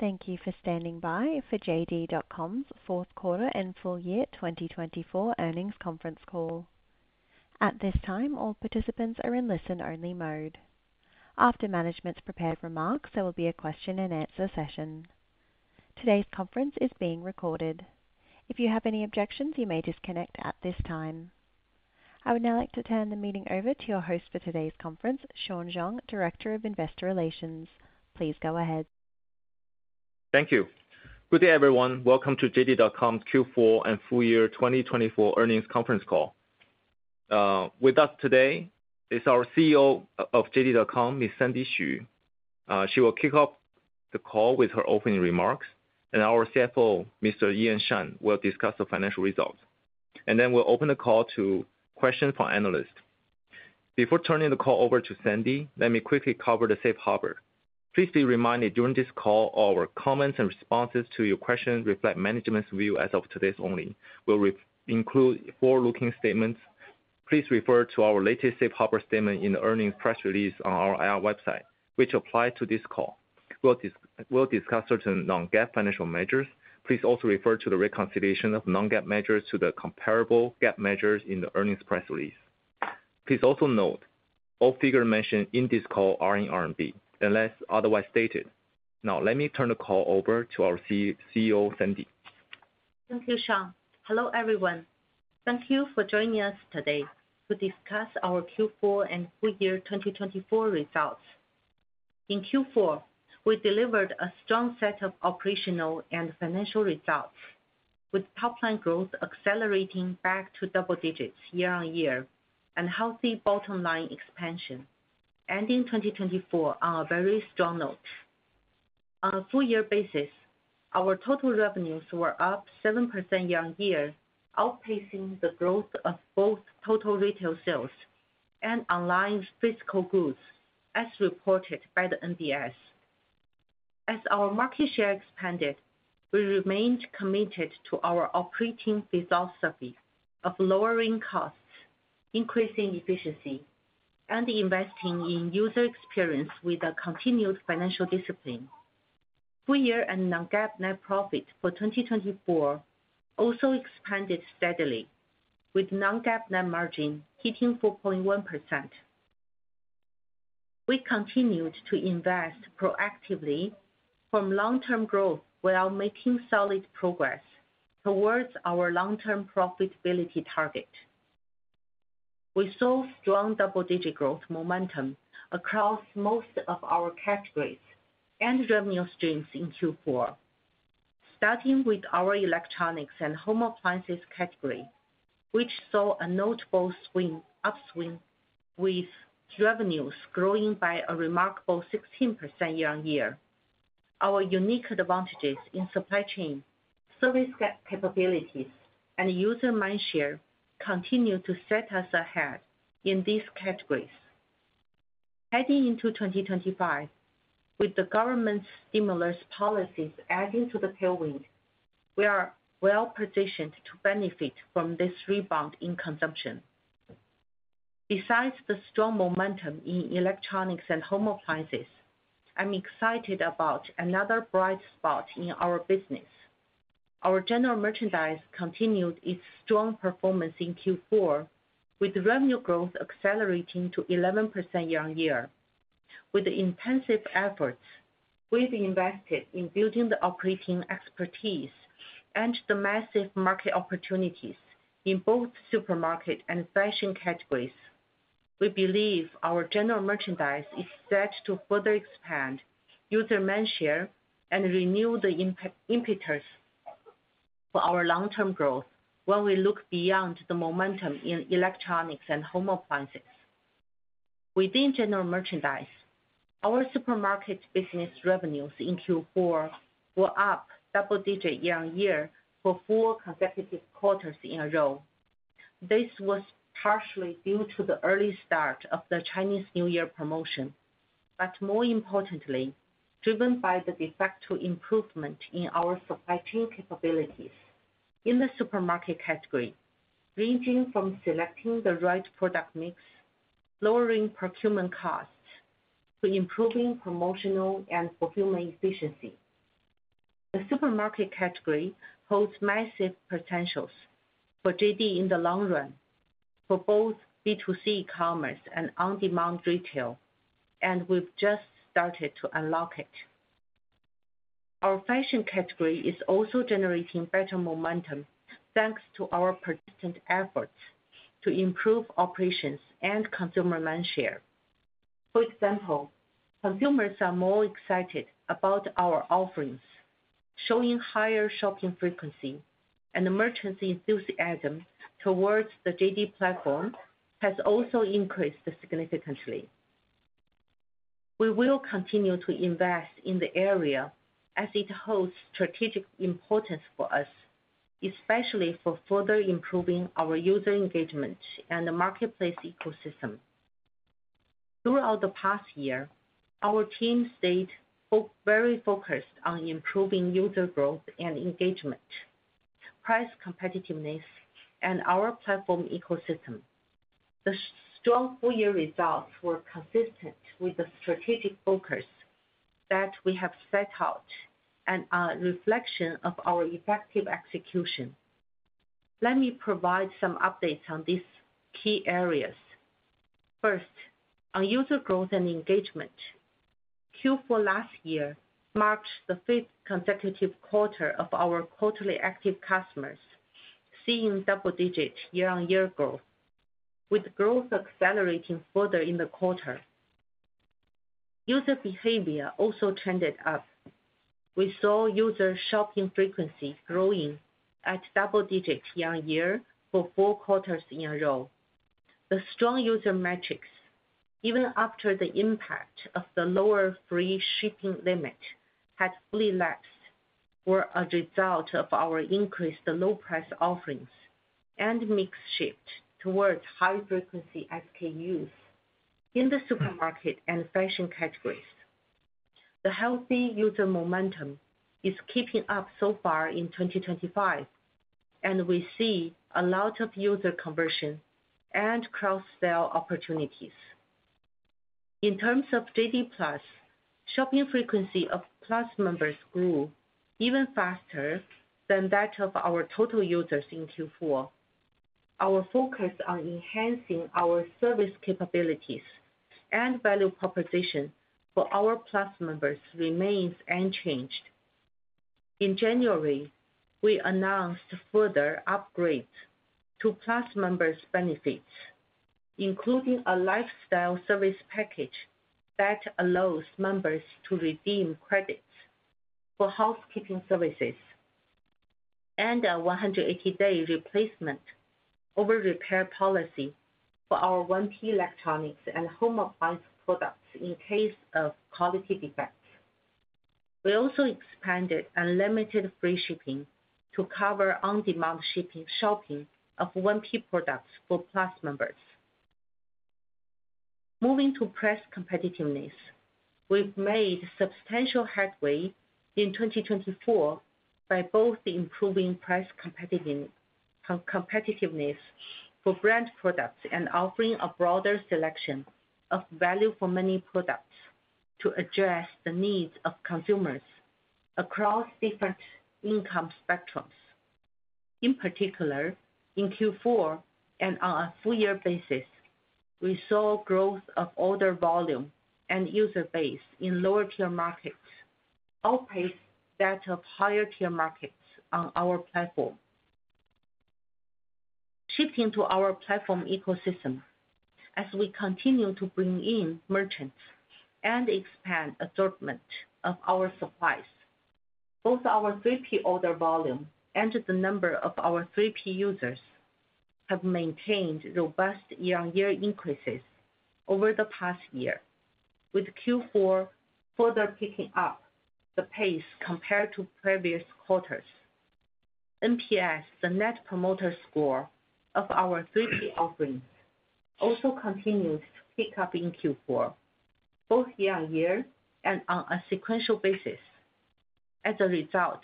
Hello, and thank you for standing by for JD.com's fourth quarter and full year 2024 earnings conference call. At this time, all participants are in listen-only mode. After management's prepared remarks, there will be a question-and-answer session. Today's conference is being recorded. If you have any objections, you may disconnect at this time. I would now like to turn the meeting over to your host for today's conference, Sean Zhang, Director of Investor Relations. Please go ahead. Thank you. Good day, everyone. Welcome to JD.com's Q4 and full year 2024 earnings conference call. With us today is our CEO of JD.com, Ms. Sandy Xu. She will kick off the call with her opening remarks, and our CFO, Mr. Ian Shan, will discuss the financial results, and then we'll open the call to questions from analysts. Before turning the call over to Sandy, let me quickly cover the safe harbor. Please be reminded during this call, our comments and responses to your questions reflect management's view as of today only. We'll include forward-looking statements. Please refer to our latest safe harbor statement in the earnings press release on our website, which applies to this call. We'll discuss certain non-GAAP financial measures. Please also refer to the reconciliation of non-GAAP measures to the comparable GAAP measures in the earnings press release. Please also note all figures mentioned in this call are in RMB unless otherwise stated. Now, let me turn the call over to our CEO, Sandy. Thank you, Sean. Hello, everyone. Thank you for joining us today to discuss our Q4 and full year 2024 results. In Q4, we delivered a strong set of operational and financial results, with top-line growth accelerating back to double digits year-on-year and healthy bottom-line expansion, ending 2024 on a very strong note. On a full-year basis, our total revenues were up 7% year-on-year, outpacing the growth of both total retail sales and online physical goods, as reported by the NBS. As our market share expanded, we remained committed to our operating philosophy of lowering costs, increasing efficiency, and investing in user experience with a continued financial discipline. Full-year and Non-GAAP net profit for 2024 also expanded steadily, with Non-GAAP net margin hitting 4.1%. We continued to invest proactively from long-term growth while making solid progress towards our long-term profitability target. We saw strong double-digit growth momentum across most of our categories and revenue streams in Q4, starting with our electronics and home appliances category, which saw a notable upswing, with revenues growing by a remarkable 16% year-on-year. Our unique advantages in supply chain, service capabilities, and user mind share continue to set us ahead in these categories. Heading into 2025, with the government's stimulus policies adding to the tailwind, we are well-positioned to benefit from this rebound in consumption. Besides the strong momentum in electronics and home appliances, I'm excited about another bright spot in our business. Our General Merchandise continued its strong performance in Q4, with revenue growth accelerating to 11% year-on-year. With intensive efforts, we've invested in building the operating expertise and the massive market opportunities in both supermarket and fashion categories. We believe our General Merchandise is set to further expand user mind share and renew the impetus for our long-term growth when we look beyond the momentum in electronics and home appliances. Within General Merchandise, our supermarket business revenues in Q4 were up double-digit year-on-year for four consecutive quarters in a row. This was partially due to the early start of the Chinese New Year promotion, but more importantly, driven by the de facto improvement in our supply chain capabilities in the supermarket category, ranging from selecting the right product mix, lowering procurement costs, to improving promotional and fulfillment efficiency. The supermarket category holds massive potentials for JD in the long run for both B2C e-commerce and on-demand retail, and we've just started to unlock it. Our fashion category is also generating better momentum thanks to our persistent efforts to improve operations and consumer mind share. For example, consumers are more excited about our offerings, showing higher shopping frequency, and the merchants' enthusiasm towards the JD platform has also increased significantly. We will continue to invest in the area as it holds strategic importance for us, especially for further improving our user engagement and the marketplace ecosystem. Throughout the past year, our team stayed very focused on improving user growth and engagement, price competitiveness, and our platform ecosystem. The strong full-year results were consistent with the strategic focus that we have set out and are a reflection of our effective execution. Let me provide some updates on these key areas. First, on user growth and engagement, Q4 last year marked the fifth consecutive quarter of our quarterly active customers, seeing double-digit year-on-year growth, with growth accelerating further in the quarter. User behavior also trended up. We saw user shopping frequency growing at double-digit year-on-year for four quarters in a row. The strong user metrics, even after the impact of the lower free shipping limit had fully lapsed, were a result of our increased low-price offerings and mix shift towards high-frequency SKUs in the supermarket and fashion categories. The healthy user momentum is keeping up so far in 2025, and we see a lot of user conversion and cross-sale opportunities. In terms of JD Plus, shopping frequency of Plus members grew even faster than that of our total users in Q4. Our focus on enhancing our service capabilities and value proposition for our Plus members remains unchanged. In January, we announced further upgrades to Plus members' benefits, including a lifestyle service package that allows members to redeem credits for housekeeping services and a 180-day replacement over-repair policy for our 1P electronics and home appliance products in case of quality defects. We also expanded unlimited free shipping to cover on-demand shopping of 1P products for Plus members. Moving to price competitiveness, we've made substantial headway in 2024 by both improving price competitiveness for brand products and offering a broader selection of value-for-money products to address the needs of consumers across different income spectrums. In particular, in Q4 and on a full-year basis, we saw growth of order volume and user base in lower-tier markets, outpaced that of higher-tier markets on our platform. Shifting to our platform ecosystem as we continue to bring in merchants and expand assortment of our supplies, both our 3P order volume and the number of our 3P users have maintained robust year-on-year increases over the past year, with Q4 further picking up the pace compared to previous quarters. NPS, the net promoter score of our 3P offerings, also continues to pick up in Q4, both year-on-year and on a sequential basis. As a result,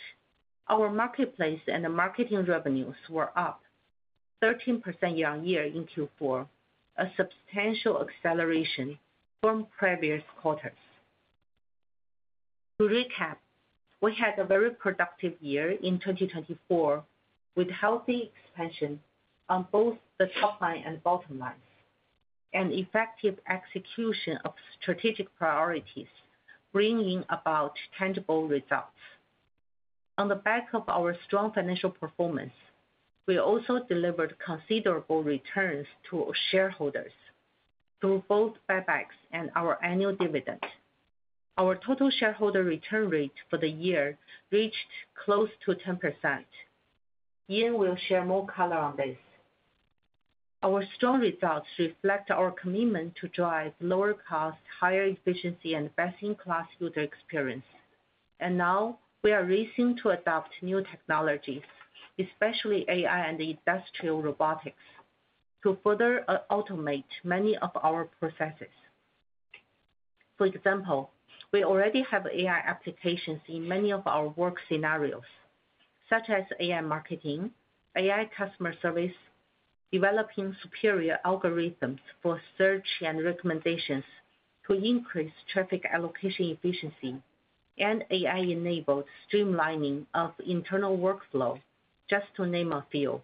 our marketplace and marketing revenues were up 13% year-on-year in Q4, a substantial acceleration from previous quarters. To recap, we had a very productive year in 2024 with healthy expansion on both the top line and bottom lines, and effective execution of strategic priorities bringing about tangible results. On the back of our strong financial performance, we also delivered considerable returns to shareholders through both buybacks and our annual dividend. Our total shareholder return rate for the year reached close to 10%. Ian will share more color on this. Our strong results reflect our commitment to drive lower cost, higher efficiency, and best-in-class user experience. And now, we are racing to adopt new technologies, especially AI and industrial robotics, to further automate many of our processes. For example, we already have AI applications in many of our work scenarios, such as AI marketing, AI customer service, developing superior algorithms for search and recommendations to increase traffic allocation efficiency, and AI-enabled streamlining of internal workflow, just to name a few.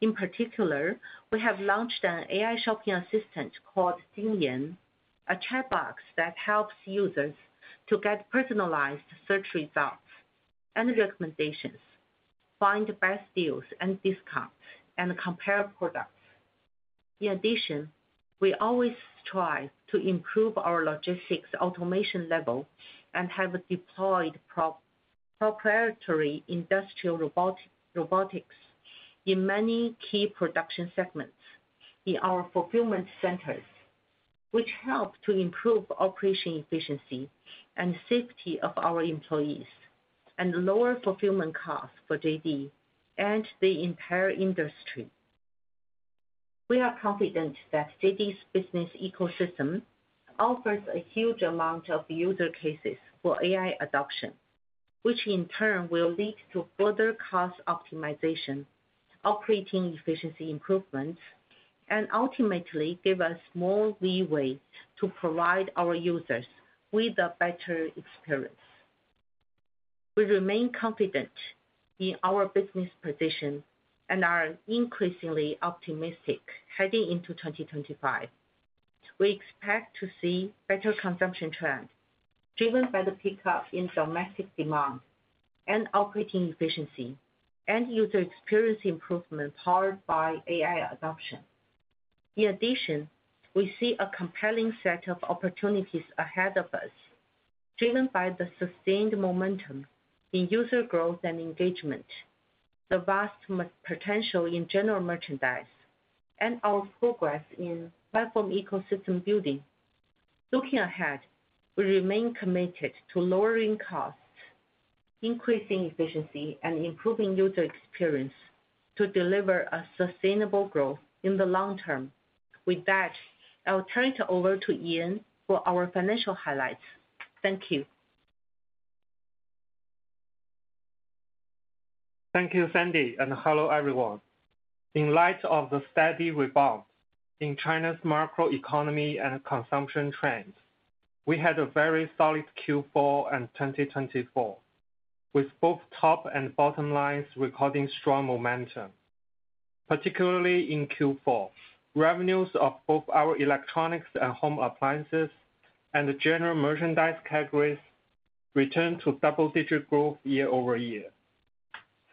In particular, we have launched an AI shopping assistant called Jingyan, a chat box that helps users to get personalized search results and recommendations, find best deals and discounts, and compare products. In addition, we always strive to improve our logistics automation level and have deployed proprietary industrial robotics in many key production segments in our fulfillment centers, which help to improve operation efficiency and safety of our employees and lower fulfillment costs for JD and the entire industry. We are confident that JD's business ecosystem offers a huge amount of user cases for AI adoption, which in turn will lead to further cost optimization, operating efficiency improvements, and ultimately give us more leeway to provide our users with a better experience. We remain confident in our business position and are increasingly optimistic heading into 2025. We expect to see better consumption trends driven by the pickup in domestic demand and operating efficiency and user experience improvement powered by AI adoption. In addition, we see a compelling set of opportunities ahead of us, driven by the sustained momentum in user growth and engagement, the vast potential in General Merchandise, and our progress in platform ecosystem building. Looking ahead, we remain committed to lowering costs, increasing efficiency, and improving user experience to deliver a sustainable growth in the long term. With that, I'll turn it over to Ian for our financial highlights. Thank you. Thank you, Sandy, and hello everyone. In light of the steady rebound in China's macroeconomy and consumption trends, we had a very solid Q4 and 2024, with both top and bottom lines recording strong momentum. Particularly in Q4, revenues of both our electronics and home appliances and General Merchandise categories returned to double-digit growth year-over-year.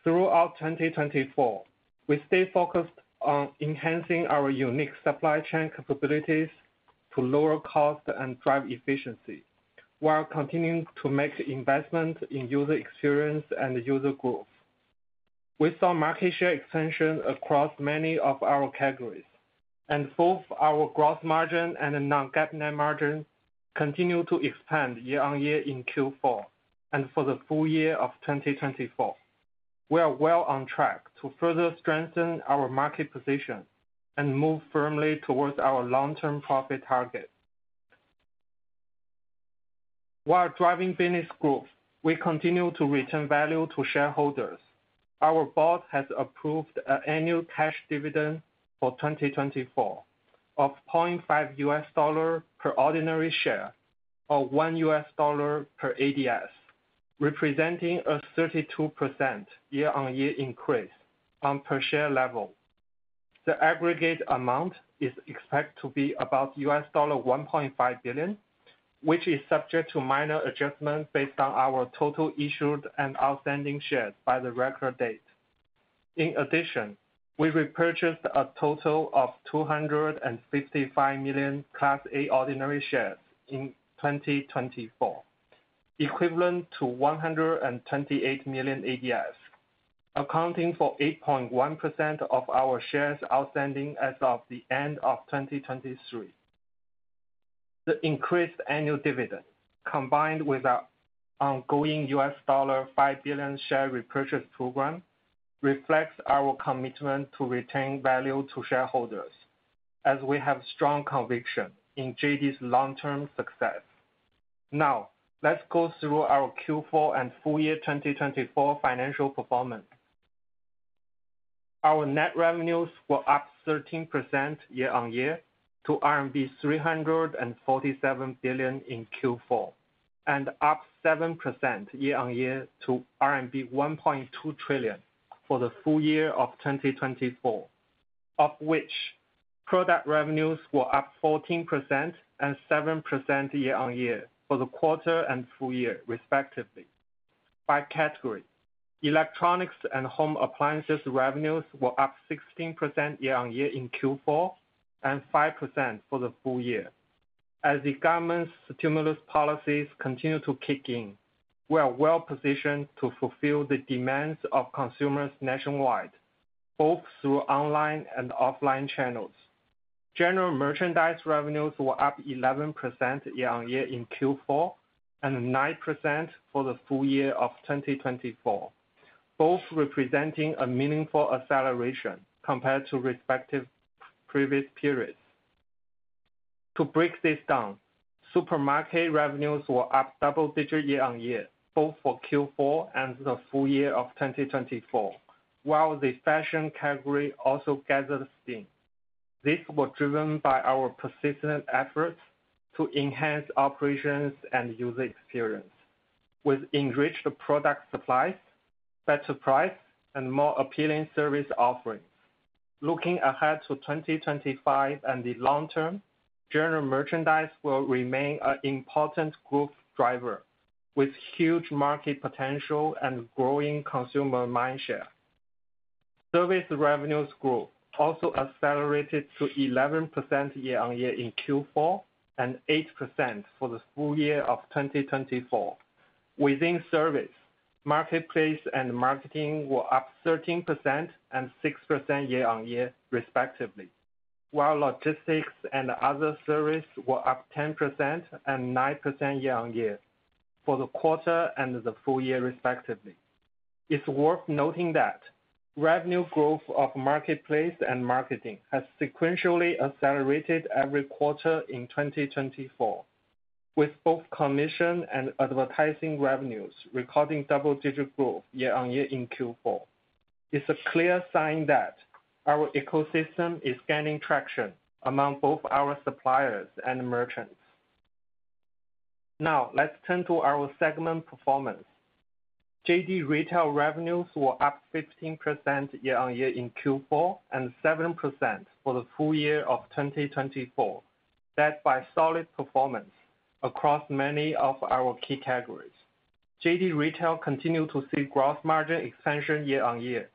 Throughout 2024, we stayed focused on enhancing our unique supply chain capabilities to lower cost and drive efficiency, while continuing to make investment in user experience and user growth. We saw market share expansion across many of our categories, and both our gross margin and non-GAAP net margin continue to expand year-on-year in Q4 and for the full year of 2024. We are well on track to further strengthen our market position and move firmly towards our long-term profit target. While driving business growth, we continue to return value to shareholders. Our board has approved an annual cash dividend for 2024 of $0.50 per ordinary share or $1 per ADS, representing a 32% year-on-year increase on per share level. The aggregate amount is expected to be about $1.5 billion, which is subject to minor adjustments based on our total issued and outstanding shares by the record date. In addition, we repurchased a total of 255 million Class A ordinary shares in 2024, equivalent to 128 million ADS, accounting for 8.1% of our shares outstanding as of the end of 2023. The increased annual dividend, combined with our ongoing $5 billion share repurchase program, reflects our commitment to retain value to shareholders, as we have strong conviction in JD's long-term success. Now, let's go through our Q4 and full-year 2024 financial performance. Our net revenues were up 13% year-on-year to RMB 347 billion in Q4, and up 7% year-on-year to RMB 1.2 trillion for the full year of 2024, of which product revenues were up 14% and 7% year-on-year for the quarter and full year, respectively. By category, electronics and home appliances revenues were up 16% year-on-year in Q4 and 5% for the full year. As the government's stimulus policies continue to kick in, we are well positioned to fulfill the demands of consumers nationwide, both through online and offline channels. General merchandise revenues were up 11% year-on-year in Q4 and 9% for the full year of 2024, both representing a meaningful acceleration compared to respective previous periods. To break this down, supermarket revenues were up double-digit year-on-year both for Q4 and the full year of 2024, while the fashion category also gathered steam. This was driven by our persistent efforts to enhance operations and user experience, with enriched product supplies, better price, and more appealing service offerings. Looking ahead to 2025 and the long term, General Merchandise will remain an important growth driver, with huge market potential and growing consumer mindshare. Service revenues grew, also accelerated to 11% year-on-year in Q4 and 8% for the full year of 2024. Within service, marketplace and marketing were up 13% and 6% year-on-year, respectively, while logistics and other service were up 10% and 9% year-on-year for the quarter and the full year, respectively. It's worth noting that revenue growth of marketplace and marketing has sequentially accelerated every quarter in 2024, with both commission and advertising revenues recording double-digit growth year-on-year in Q4. It's a clear sign that our ecosystem is gaining traction among both our suppliers and merchants. Now, let's turn to our segment performance. JD Retail revenues were up 15% year-on-year in Q4 and 7% for the full year of 2024, led by solid performance across many of our key categories. JD Retail continued to see gross margin expansion year-on-year,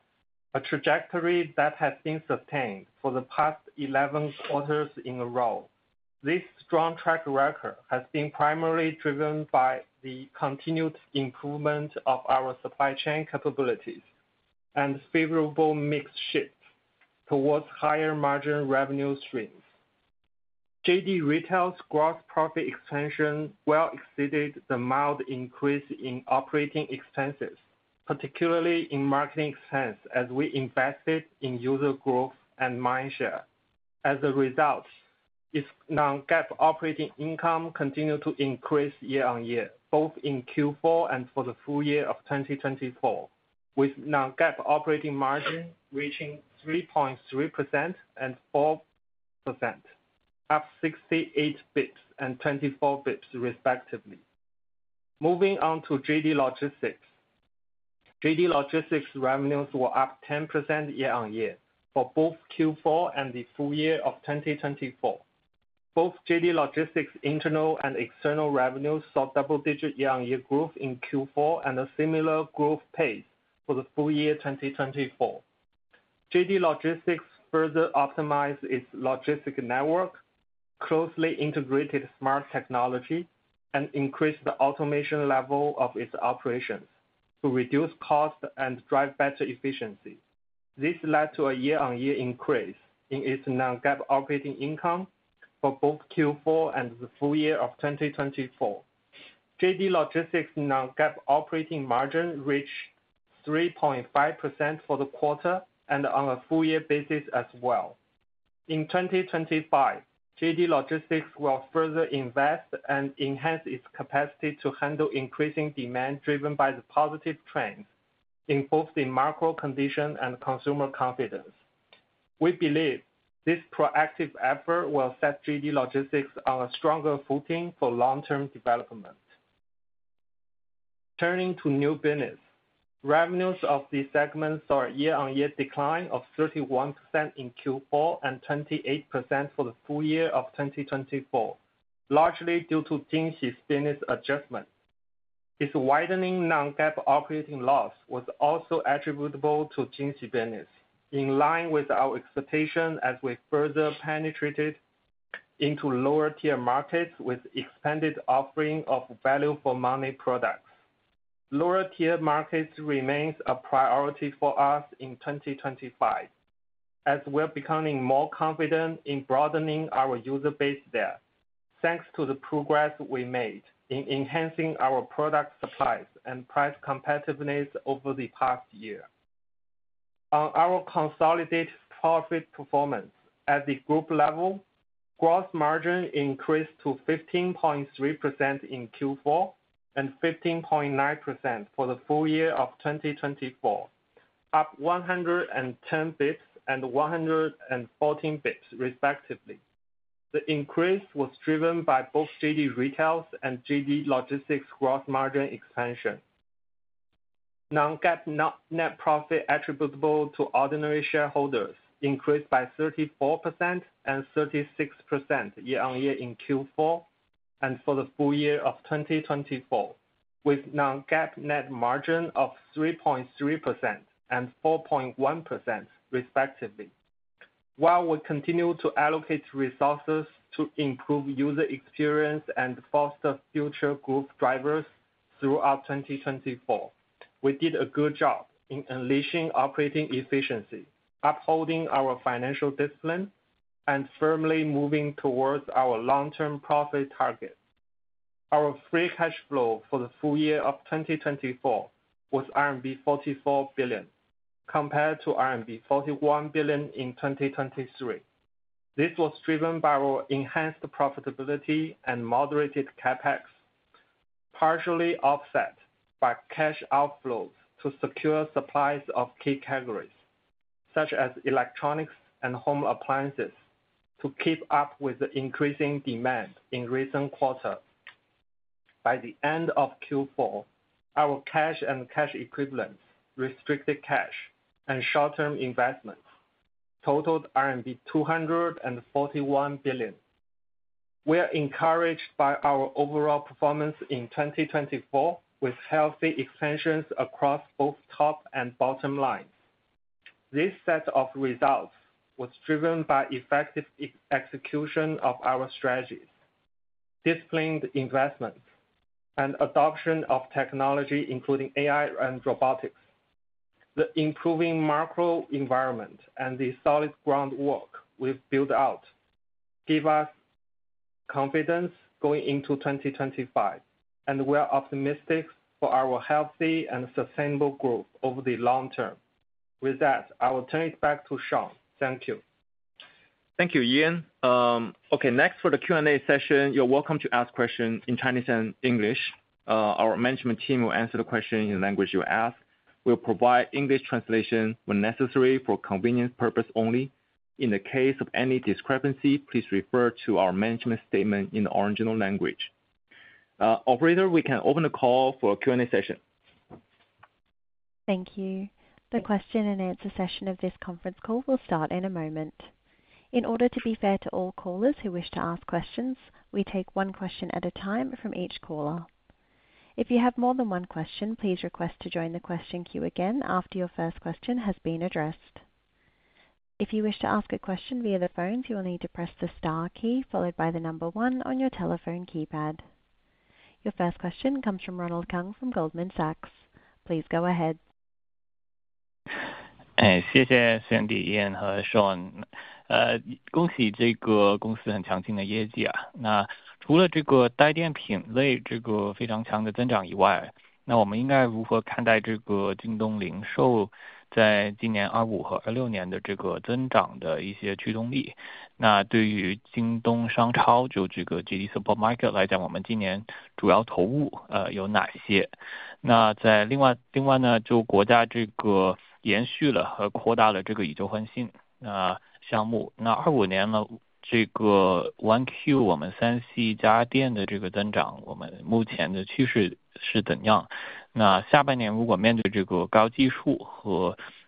a trajectory that has been sustained for the past 11 quarters in a row. This strong track record has been primarily driven by the continued improvement of our supply chain capabilities and favorable mixed shifts towards higher margin revenue streams. JD Retail's gross profit expansion well exceeded the mild increase in operating expenses, particularly in marketing expense, as we invested in user growth and mindshare. As a result, its Non-GAAP operating income continued to increase year-on-year, both in Q4 and for the full year of 2024, with Non-GAAP operating margin reaching 3.3% and 4%, up 68 basis points and 24 basis points, respectively. Moving on to JD Logistics, JD Logistics revenues were up 10% year-on-year for both Q4 and the full year of 2024. Both JD Logistics' internal and external revenues saw double-digit year-on-year growth in Q4 and a similar growth pace for the full year 2024. JD Logistics further optimized its logistics network, closely integrated smart technology, and increased the automation level of its operations to reduce cost and drive better efficiency. This led to a year-on-year increase in its non-GAAP operating income for both Q4 and the full year of 2024. JD Logistics' non-GAAP operating margin reached 3.5% for the quarter and on a full-year basis as well. In 2025, JD Logistics will further invest and enhance its capacity to handle increasing demand driven by the positive trends in both the macro condition and consumer confidence. We believe this proactive effort will set JD Logistics on a stronger footing for long-term development. Turning to new business, revenues of the segment saw a year-on-year decline of 31% in Q4 and 28% for the full year of 2024, largely due to Jingxi's business adjustment. This widening non-GAAP operating loss was also attributable to Jingxi business, in line with our expectation as we further penetrated into lower-tier markets with expanded offering of value-for-money products. Lower-tier markets remains a priority for us in 2025, as we are becoming more confident in broadening our user base there, thanks to the progress we made in enhancing our product supplies and price competitiveness over the past year. On our consolidated profit performance, at the group level, gross margin increased to 15.3% in Q4 and 15.9% for the full year of 2024, up 110 basis points and 114 basis points, respectively. The increase was driven by both JD Retail's and JD Logistics' gross margin expansion. Non-GAAP net profit attributable to ordinary shareholders increased by 34% and 36% year-on-year in Q4 and for the full year of 2024, with non-GAAP net margin of 3.3% and 4.1%, respectively. While we continue to allocate resources to improve user experience and foster future growth drivers throughout 2024, we did a good job in unleashing operating efficiency, upholding our financial discipline, and firmly moving towards our long-term profit target. Our free cash flow for the full year of 2024 was RMB 44 billion, compared to RMB 41 billion in 2023. This was driven by our enhanced profitability and moderated CapEx, partially offset by cash outflows to secure supplies of key categories, such as electronics and home appliances, to keep up with the increasing demand in recent quarters. By the end of Q4, our cash and cash equivalents, restricted cash and short-term investments, totaled RMB 241 billion. We are encouraged by our overall performance in 2024, with healthy expansions across both top and bottom lines. This set of results was driven by effective execution of our strategies, disciplined investments, and adoption of technology, including AI and robotics. The improving macro environment and the solid groundwork we've built out give us confidence going into 2025, and we are optimistic for our healthy and sustainable growth over the long term. With that, I will turn it back to Sean. Thank you. Thank you, Ian. Okay, next for the Q&A session, you're welcome to ask questions in Chinese and English. Our management team will answer the questions in the language you ask. We'll provide English translation when necessary for convenience purposes only. In the case of any discrepancy, please refer to our management statement in the original language. Operator, we can open the call for a Q&A session. Thank you. The question-and-answer session of this conference call will start in a moment. In order to be fair to all callers who wish to ask questions, we take one question at a time from each caller. If you have more than one question, please request to join the question queue again after your first question has been addressed. If you wish to ask a question via the phone, you will need to press the star key followed by the number one on your telephone keypad. Your first question comes from Ronald Keung from Goldman Sachs. Please go ahead. 谢谢Sandy Xu和Sean Zhang。恭喜这个公司很强劲的业绩。那除了这个带电品类这个非常强的增长以外，那我们应该如何看待这个京东零售在今年25和26年的这个增长的一些驱动力？那对于京东商超，就这个JD Supermarket来讲，我们今年主要投入有哪些？那在另外呢，就国家这个延续了和扩大了这个宇宙换新项目。那25年呢，这个1Q我们3C家电的这个增长，我们目前的趋势是怎样？那下半年如果面对这个高基数和需求这个弹性就可能开始下降，那我们公司会采取什么措施来巩固这个品类的市场地位？那让我翻译一下。Thank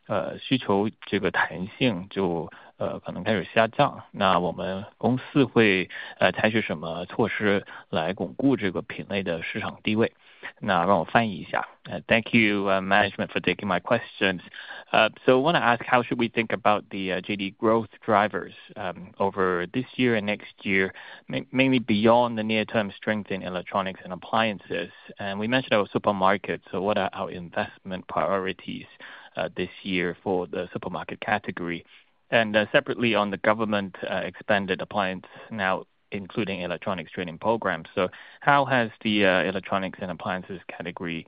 you, management, for taking my questions. So I want to ask how should we think about the JD growth drivers over this year and next year, mainly beyond the near-term strength in electronics and appliances? And we mentioned our supermarkets, so what are our investment priorities this year for the supermarket category? And separately on the government expanded appliance trade-in programs, including electronics trade-in programs. So how has the electronics and appliances category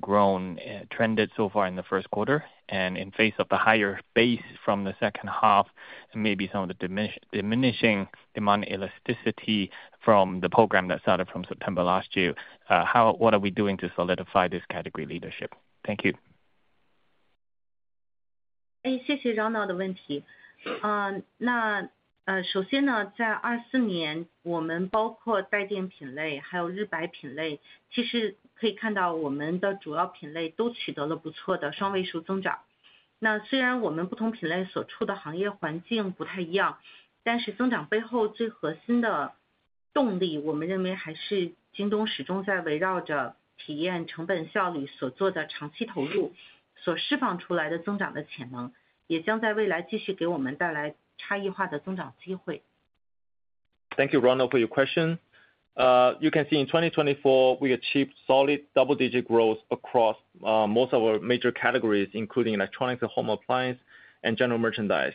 grown, trended so far in the first quarter? And in face of the higher base from the second half, and maybe some of the diminishing demand elasticity from the program that started from September last year, how, what are we doing to solidify this category leadership? Thank you. Thank you, Ronald, for your question. You can see in 2024, we achieved solid double-digit growth across most of our major categories, including electronics and home appliance and General Merchandise.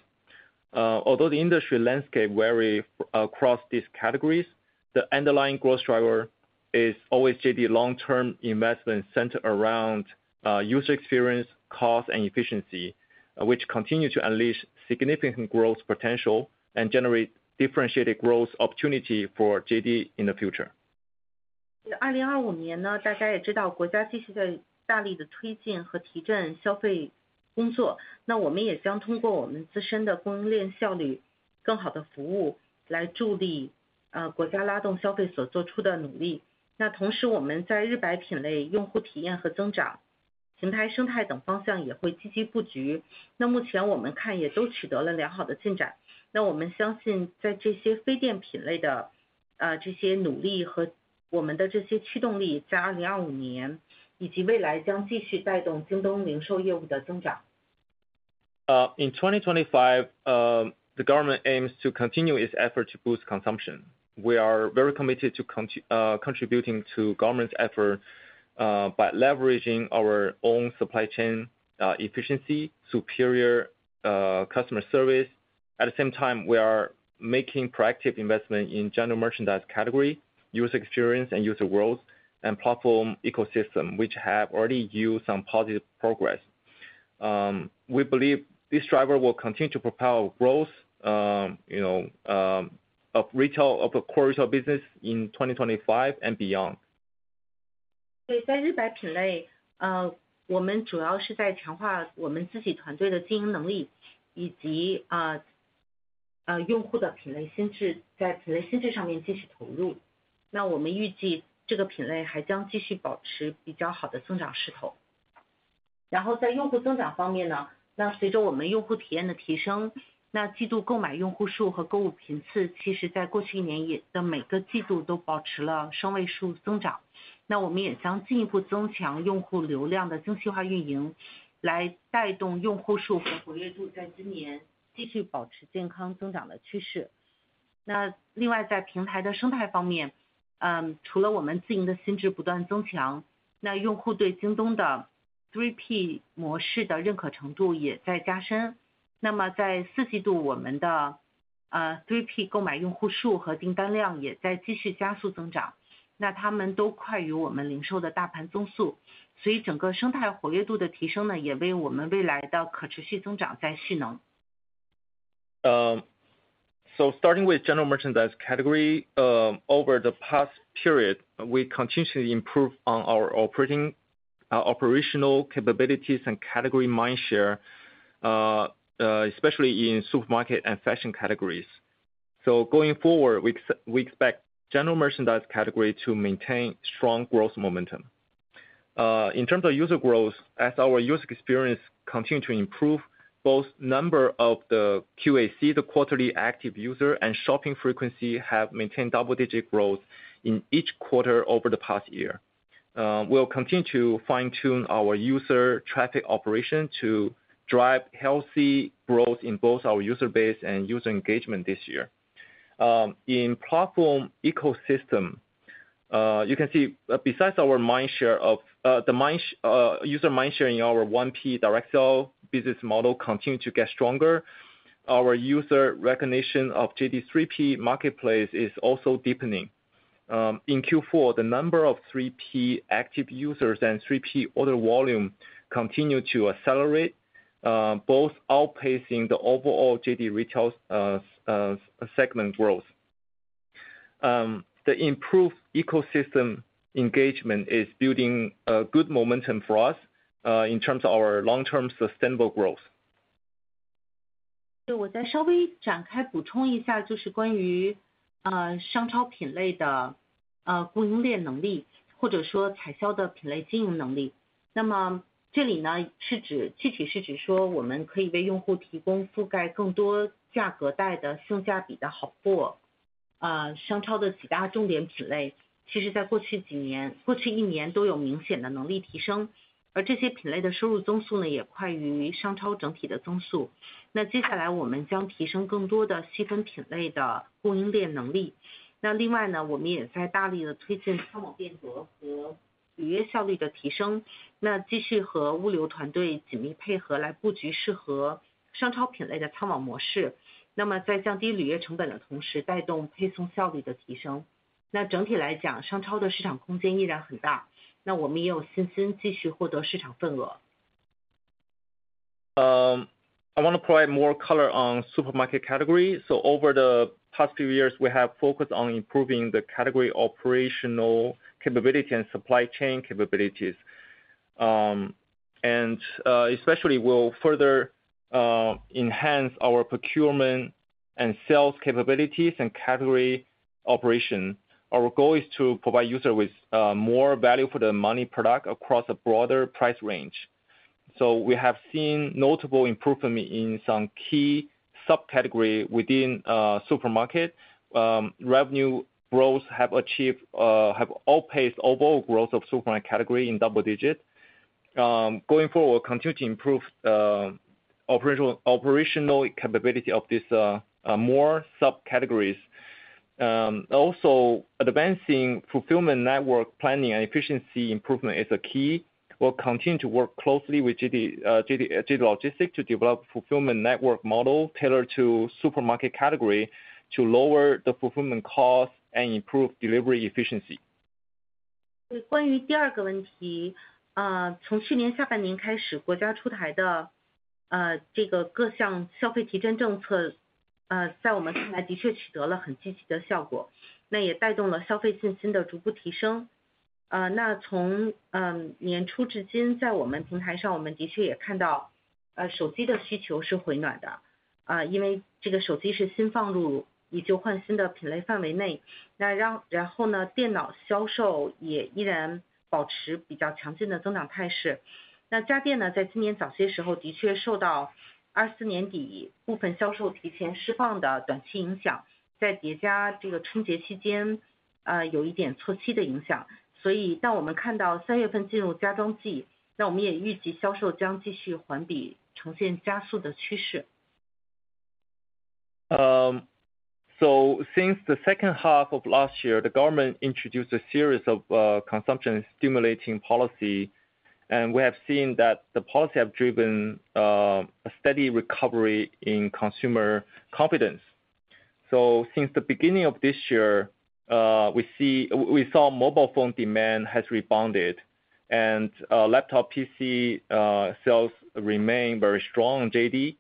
Although the industry landscape varies across these categories, the underlying growth driver is always JD long-term investment centered around user experience, cost, and efficiency, which continue to unleash significant growth potential and generate differentiated growth opportunity for JD in the future. 2025年呢，大家也知道国家继续在大力的推进和提振消费工作。那我们也将通过我们自身的供应链效率更好的服务来助力国家拉动消费所做出的努力。那同时我们在日白品类用户体验和增长平台生态等方向也会积极布局。那目前我们看也都取得了良好的进展。那我们相信在这些非电品类的这些努力和我们的这些驱动力在2025年以及未来将继续带动京东零售业务的增长。In 2025, the government aims to continue its effort to boost consumption. We are very committed to contributing to government's effort by leveraging our own supply chain efficiency, superior customer service. At the same time, we are making proactive investment in General Merchandise category, user experience, and user growth and platform ecosystem, which have already yielded some positive progress. We believe this driver will continue to propel growth, you know, of retail, of core retail business in 2025 and beyond. So starting with General Merchandise category, over the past period, we continuously improve on our operating capabilities and category mind share, especially in supermarket and fashion categories. So going forward, we expect General Merchandise category to maintain strong growth momentum. In terms of user growth, as our user experience continues to improve, both the number of QAC, the quarterly active customers, and shopping frequency have maintained double-digit growth in each quarter over the past year. We'll continue to fine-tune our user traffic operation to drive healthy growth in both our user base and user engagement this year. In platform ecosystem, you can see besides our market share in the mainstream user segment in our 1P direct sale business model continues to get stronger, our user recognition of JD 3P marketplace is also deepening. In Q4, the number of 3P active users and 3P order volume continue to accelerate, both outpacing the overall JD Retail segment growth. The improved ecosystem engagement is building a good momentum for us in terms of our long-term sustainable growth. I want to provide more color on supermarket category. So over the past few years, we have focused on improving the category operational capability and supply chain capabilities. And especially we'll further enhance our procurement and sales capabilities and category operation. Our goal is to provide users with more value for the money product across a broader price range. So we have seen notable improvement in some key subcategory within supermarket. Revenue growth have achieved, have outpaced overall growth of supermarket category in double digit. Going forward, we'll continue to improve the operational capability of these more subcategories. Also, advancing fulfillment network planning and efficiency improvement is a key. We'll continue to work closely with JD Logistics to develop fulfillment network model tailored to supermarket category to lower the fulfillment cost and improve delivery efficiency. So since the second half of last year, the government introduced a series of consumption stimulating policies, and we have seen that the policies have driven a steady recovery in consumer confidence. So since the beginning of this year, we saw mobile phone demand has rebounded, and laptop PC sales remain very strong in JD,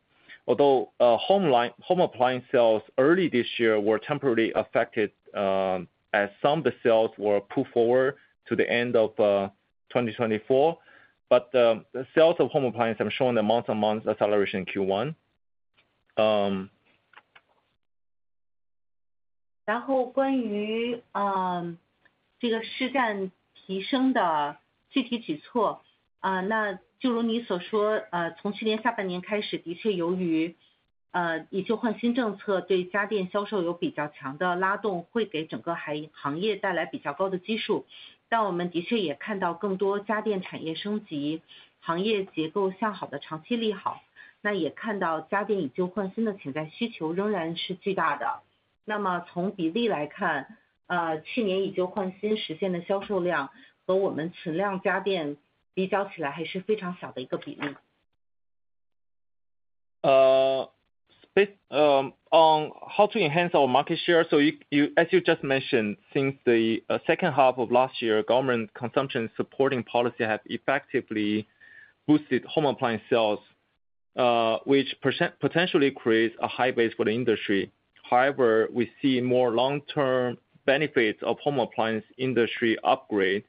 although home appliance sales early this year were temporarily affected as some of the sales were put forward to the end of 2024, but the sales of home appliance have shown a month-on-month acceleration in Q1. On how to enhance our market share, so as you just mentioned, since the second half of last year, government consumption supporting policies have effectively boosted home appliance sales, which potentially creates a high base for the industry. However, we see more long-term benefits of home appliance industry upgrade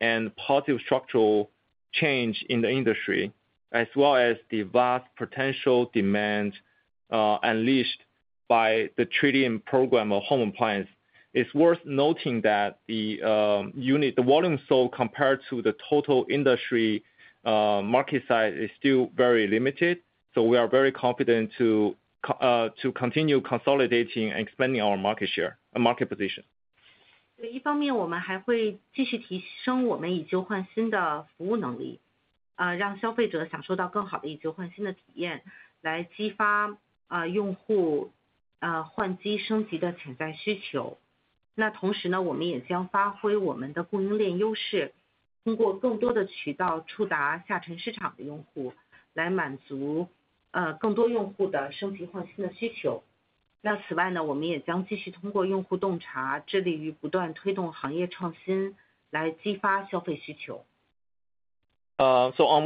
and positive structural change in the industry, as well as the vast potential demand unleashed by the trade-in program of home appliance. It's worth noting that the unit volume sold compared to the total industry market size is still very limited, so we are very confident to continue consolidating and expanding our market share and market position. So on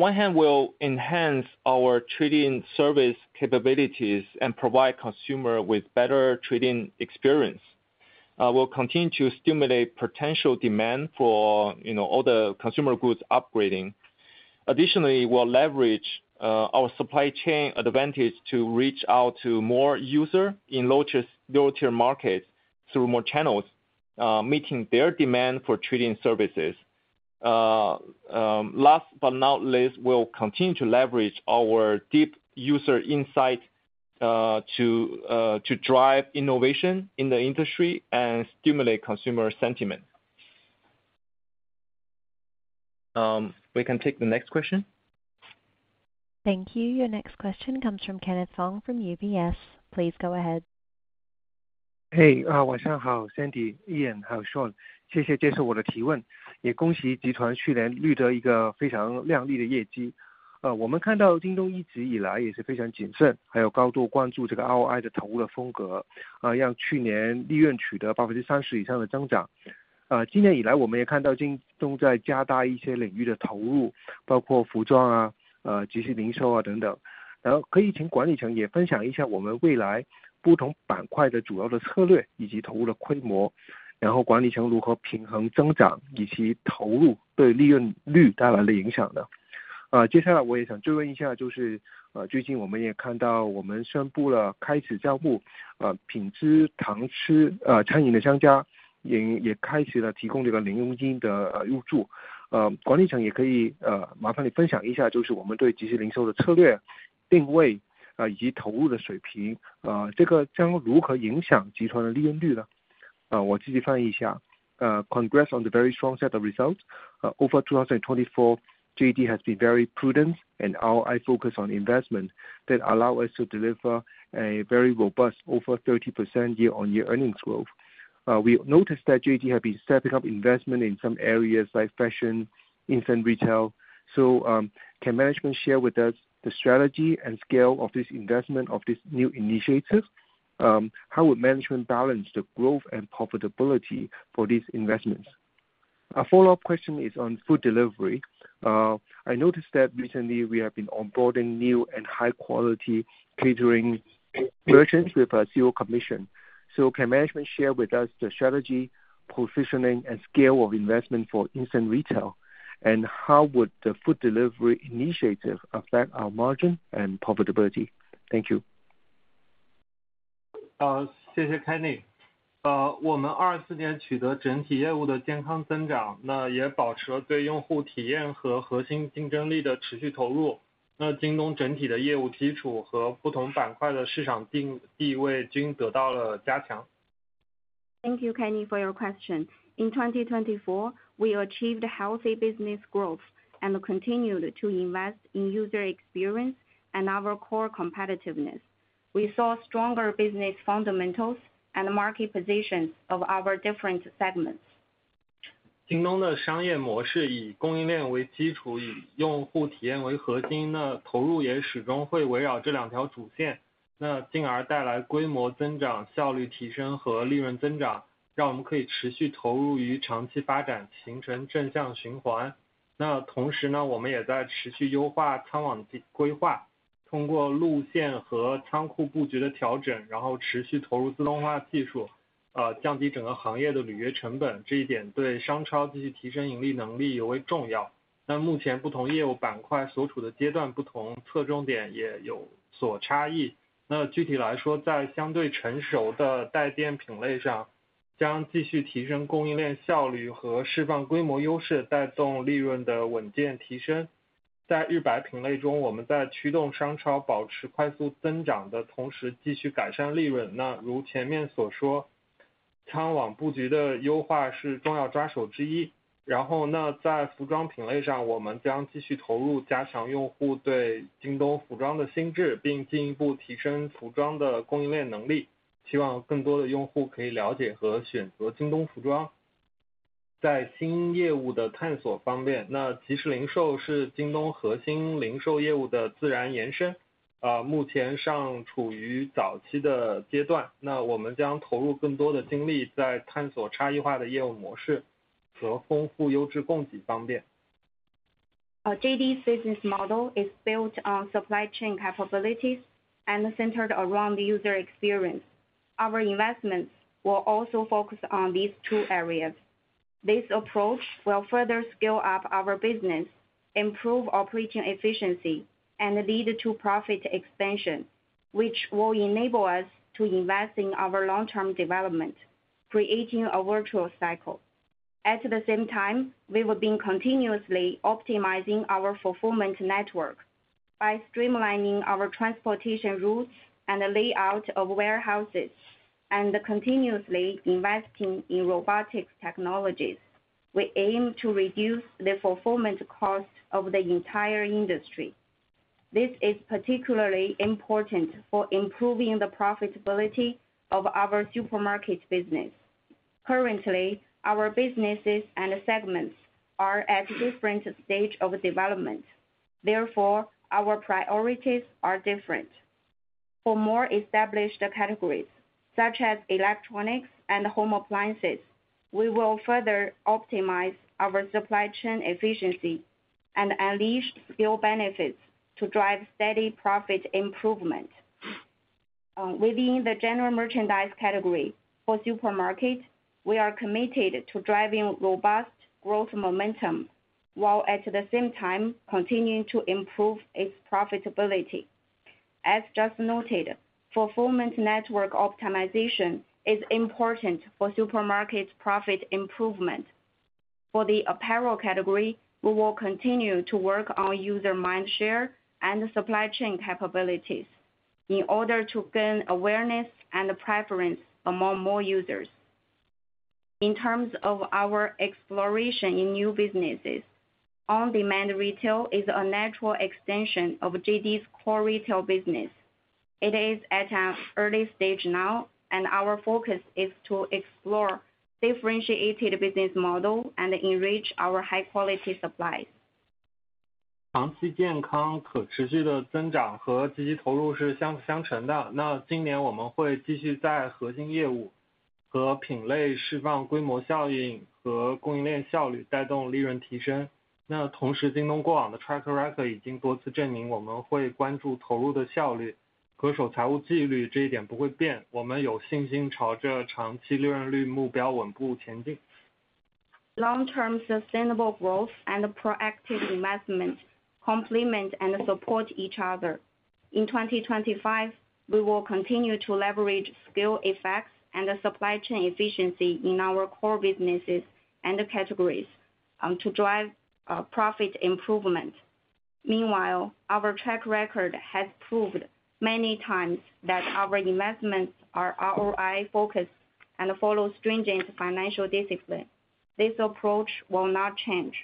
one hand, we'll enhance our trading service capabilities and provide consumers with better trading experience. We'll continue to stimulate potential demand for, you know, all the consumer goods upgrading. Additionally, we'll leverage our supply chain advantage to reach out to more users in low-tier markets through more channels, meeting their demand for trading services. Last but not least, we'll continue to leverage our deep user insight to drive innovation in the industry and stimulate consumer sentiment. We can take the next question. Thank you. Your next question comes from Kenneth Fong from UBS. Please go ahead. 嘿，晚上好，Sandy，Ian，还有Sean，谢谢接受我的提问，也恭喜集团去年取得的非常亮丽的业绩。我们看到京东一直以来也是非常谨慎，还有高度关注这个ROI的投入的风格，让去年利润取得30%以上的增长。今年以来我们也看到京东在加大一些领域的投入，包括服装、集市零售等等。然后可以请管理层也分享一下我们未来不同板块的主要的策略以及投入的规模，然后管理层如何平衡增长以及投入对利润率带来的影响呢？接下来我也想追问一下，就是最近我们也看到我们宣布了开始招募品质餐饮的商家，也开始了提供这个零佣金的入驻。管理层也可以麻烦你分享一下，就是我们对集市零售的策略定位以及投入的水平，这个将如何影响集团的利润率呢？我继续翻译一下。Congrats on the very strong set of results. In 2023, JD has been very prudent and ROI focused on investment that allow us to deliver a very robust over 30% year-on-year earnings growth. We noticed that JD have been stepping up investment in some areas like fashion, marketplace retail. So can management share with us the strategy and scale of this investment of this new initiative? How would management balance the growth and profitability for these investments? A follow-up question is on food delivery. I noticed that recently we have been onboarding new and high-quality catering merchants with a zero commission. So can management share with us the strategy, positioning, and scale of investment for instant retail, and how would the food delivery initiative affect our margin and profitability? Thank you. 谢谢Kenny。我们24年取得整体业务的健康增长，那也保持了对用户体验和核心竞争力的持续投入。那京东整体的业务基础和不同板块的市场定位均得到了加强。Thank you, Kenny, for your question. In 2024, we achieved healthy business growth and continued to invest in user experience and our core competitiveness. We saw stronger business fundamentals and market positions of our different segments. 京东的商业模式以供应链为基础，以用户体验为核心的投入也始终会围绕这两条主线，那进而带来规模增长、效率提升和利润增长，让我们可以持续投入于长期发展，形成正向循环。那同时呢，我们也在持续优化仓网及规划，通过路线和仓库布局的调整，然后持续投入自动化技术，降低整个行业的履约成本。这一点对商超继续提升盈利能力尤为重要。那目前不同业务板块所处的阶段不同，侧重点也有所差异。那具体来说，在相对成熟的带电品类上，将继续提升供应链效率和释放规模优势，带动利润的稳健提升。在日白品类中，我们在驱动商超保持快速增长的同时，继续改善利润。那如前面所说，仓网布局的优化是重要抓手之一。然后呢，在服装品类上，我们将继续投入，加强用户对京东服装的心智，并进一步提升服装的供应链能力，希望更多的用户可以了解和选择京东服装。在新业务的探索方面，那集市零售是京东核心零售业务的自然延伸，目前尚处于早期的阶段。那我们将投入更多的精力在探索差异化的业务模式和丰富优质供给方面。JD's business model is built on supply chain capabilities and centered around the user experience. Our investments will also focus on these two areas. This approach will further scale up our business, improve operating efficiency, and lead to profit expansion, which will enable us to invest in our long-term development, creating a virtuous cycle. At the same time, we will be continuously optimizing our fulfillment network by streamlining our transportation routes and layout of warehouses, and continuously investing in robotics technologies. We aim to reduce the fulfillment cost of the entire industry. This is particularly important for improving the profitability of our supermarket business. Currently, our businesses and segments are at a different stage of development. Therefore, our priorities are different. For more established categories, such as electronics and home appliances, we will further optimize our supply chain efficiency and unleash scale benefits to drive steady profit improvement. Within the General Merchandise category for supermarket, we are committed to driving robust growth momentum while at the same time continuing to improve its profitability. As just noted, fulfillment network optimization is important for supermarket profit improvement. For the apparel category, we will continue to work on user mind share and supply chain capabilities in order to gain awareness and preference among more users. In terms of our exploration in new businesses, on-demand retail is a natural extension of JD's core retail business. It is at an early stage now, and our focus is to explore differentiated business models and enrich our high-quality supplies. 长期健康可持续的增长和积极投入是相辅相成的。那今年我们会继续在核心业务和品类释放规模效应和供应链效率，带动利润提升。那同时京东过往的 track record 已经多次证明，我们会关注投入的效率和守财务纪律，这一点不会变。我们有信心朝着长期利润率目标稳步前进。Long-term sustainable growth and proactive investment complement and support each other. In 2025, we will continue to leverage scale effects and supply chain efficiency in our core businesses and categories to drive profit improvement. Meanwhile, our track record has proved many times that our investments are ROI focused and follow stringent financial discipline. This approach will not change.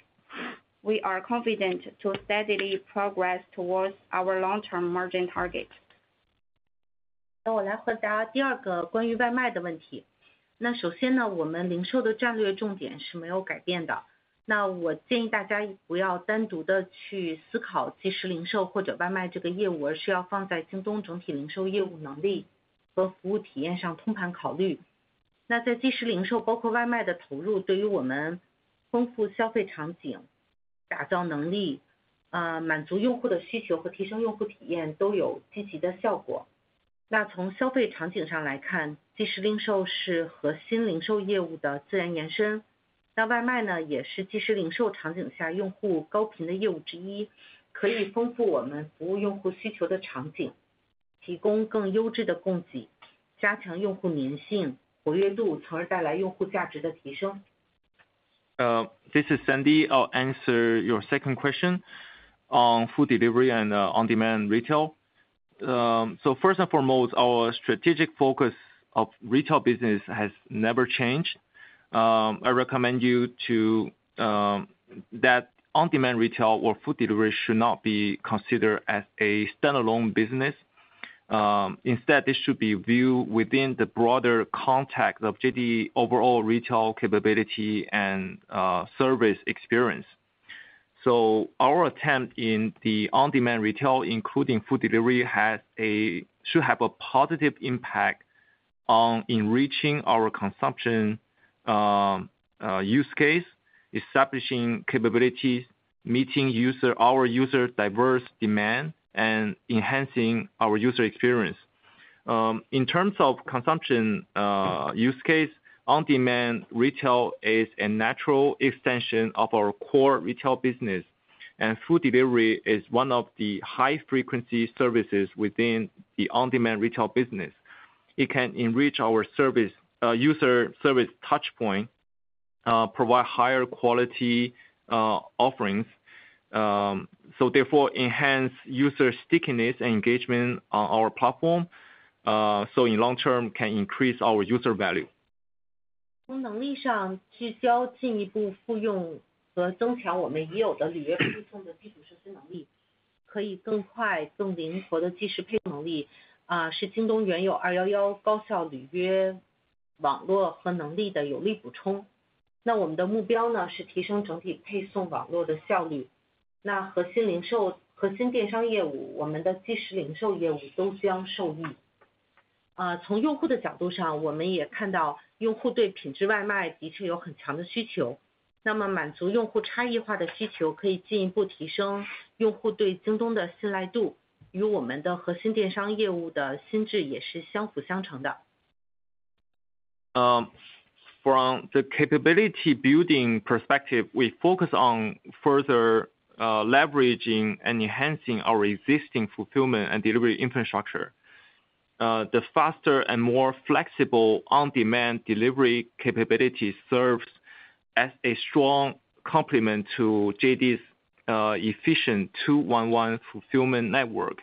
We are confident to steadily progress towards our long-term margin target. This is Sandy. I'll answer your second question on food delivery and marketplace retail. So first and foremost, our strategic focus of retail business has never changed. I recommend that you not consider marketplace retail or food delivery as a standalone business. Instead, this should be viewed within the broader context of JD overall retail capability and service experience. So our attempt in the on-demand retail, including food delivery, should have a positive impact on enriching our consumption use case, establishing capabilities, meeting our user diverse demand, and enhancing our user experience. In terms of consumption use case, on-demand retail is a natural extension of our core retail business, and food delivery is one of the high-frequency services within the on-demand retail business. It can enrich our user service touchpoint, provide higher quality offerings, so therefore enhance user stickiness and engagement on our platform, so in long term can increase our user value. 从能力上聚焦进一步复用和增强我们已有的履约配送的基础设施能力，可以更快更灵活的即时配送能力，是京东原有211高效履约网络和能力的有力补充。那我们的目标呢，是提升整体配送网络的效率。那核心零售核心电商业务，我们的即时零售业务都将受益。从用户的角度上，我们也看到用户对品质外卖的确有很强的需求。那么满足用户差异化的需求，可以进一步提升用户对京东的信赖度，与我们的核心电商业务的心智也是相辅相成的。From the capability building perspective, we focus on further leveraging and enhancing our existing fulfillment and delivery infrastructure. The faster and more flexible on-demand delivery capability serves as a strong complement to JD's efficient 211 fulfillment network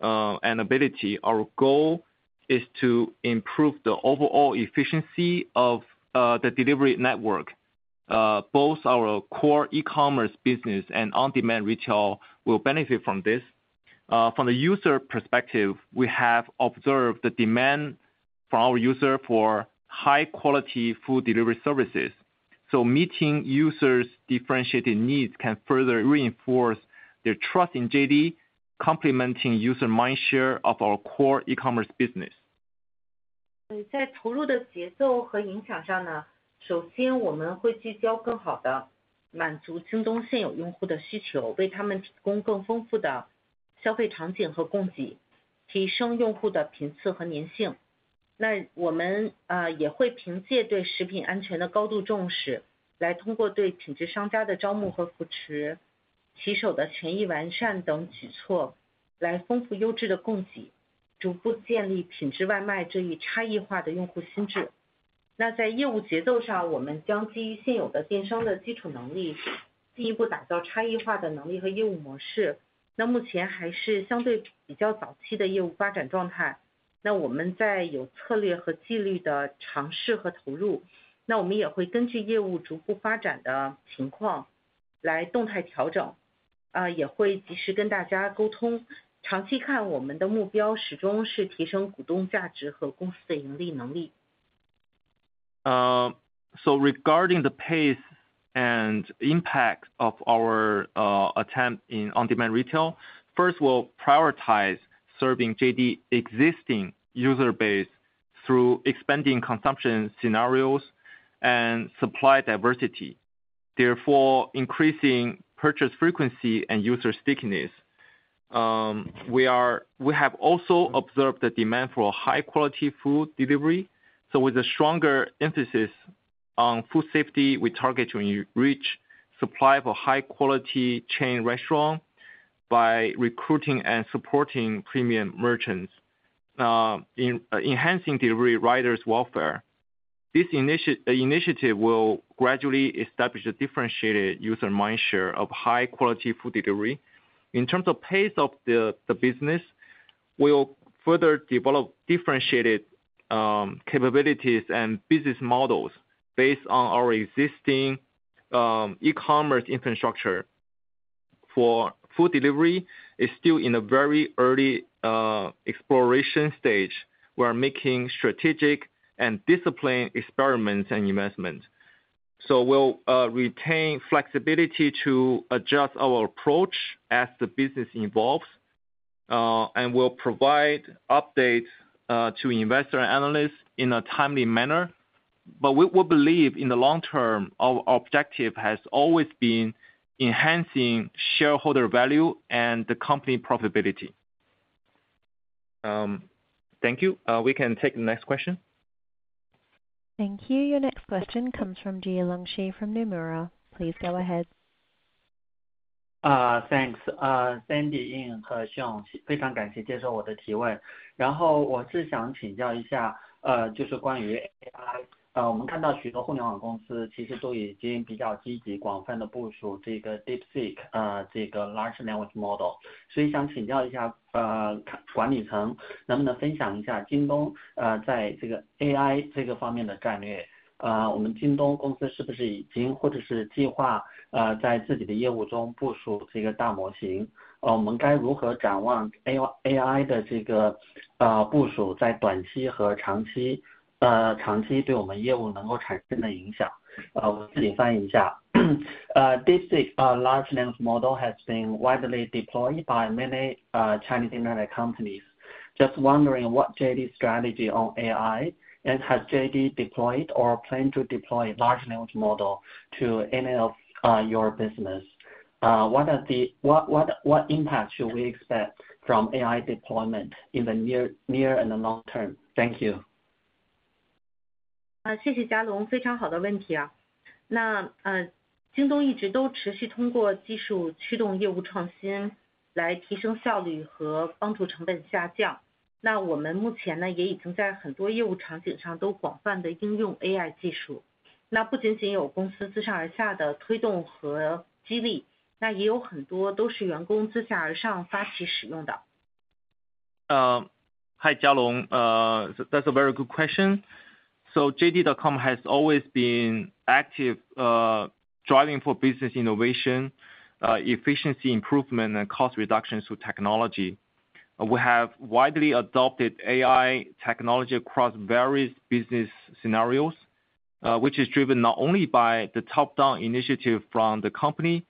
and ability. Our goal is to improve the overall efficiency of the delivery network. Both our core e-commerce business and on-demand retail will benefit from this. From the user perspective, we have observed the demand from our user for high-quality food delivery services. So meeting users' differentiated needs can further reinforce their trust in JD, complementing user mind share of our core e-commerce business. So regarding the pace and impact of our attempt in on-demand retail, first we'll prioritize serving JD existing user base through expanding consumption scenarios and supply diversity. Therefore, increasing purchase frequency and user stickiness. We have also observed the demand for high-quality food delivery. So with a stronger emphasis on food safety, we target to enrich supply for high-quality chain restaurant by recruiting and supporting premium merchants, enhancing delivery riders' welfare. This initiative will gradually establish a differentiated user mind share of high-quality food delivery. In terms of pace of the business, we'll further develop differentiated capabilities and business models based on our existing e-commerce infrastructure. For food delivery, it's still in a very early exploration stage. We are making strategic and disciplined experiments and investments, so we'll retain flexibility to adjust our approach as the business evolves, and we'll provide updates to investors and analysts in a timely manner, but we believe in the long term, our objective has always been enhancing shareholder value and the company profitability. Thank you. We can take the next question. Thank you. Your next question comes from Jialong Shi from Nomura. Please go ahead. Thanks. Sandy Xu和 Xiang，非常感谢接受我的提问。然后我是想请教一下，就是关于 AI，我们看到许多互联网公司其实都已经比较积极广泛地部署这个 DeepSeek，这个 large language model。所以想请教一下管理层能不能分享一下京东在这个 AI 这个方面的战略。我们京东公司是不是已经或者是计划在自己的业务中部署这个大模型？我们该如何展望 AI 的这个部署在短期和长期，长期对我们业务能够产生的影响？我自己翻译一下。DeepSeek large language model has been widely deployed by many Chinese internet companies. Just wondering what JD strategy on AI, and has JD deployed or plan to deploy large language model to any of your business? What impact should we expect from AI deployment in the near and the long term? Thank you. 谢谢Jialong，非常好的问题。那京东一直都持续通过技术驱动业务创新来提升效率和帮助成本下降。那我们目前也已经在很多业务场景上都广泛地应用 AI 技术。那不仅仅有公司自上而下的推动和激励，那也有很多都是员工自下而上发起使用的。Hi Jialong, that's a very good question. So JD.com has always been active, driving for business innovation, efficiency improvement, and cost reduction through technology. We have widely adopted AI technology across various business scenarios, which is driven not only by the top-down initiative from the company,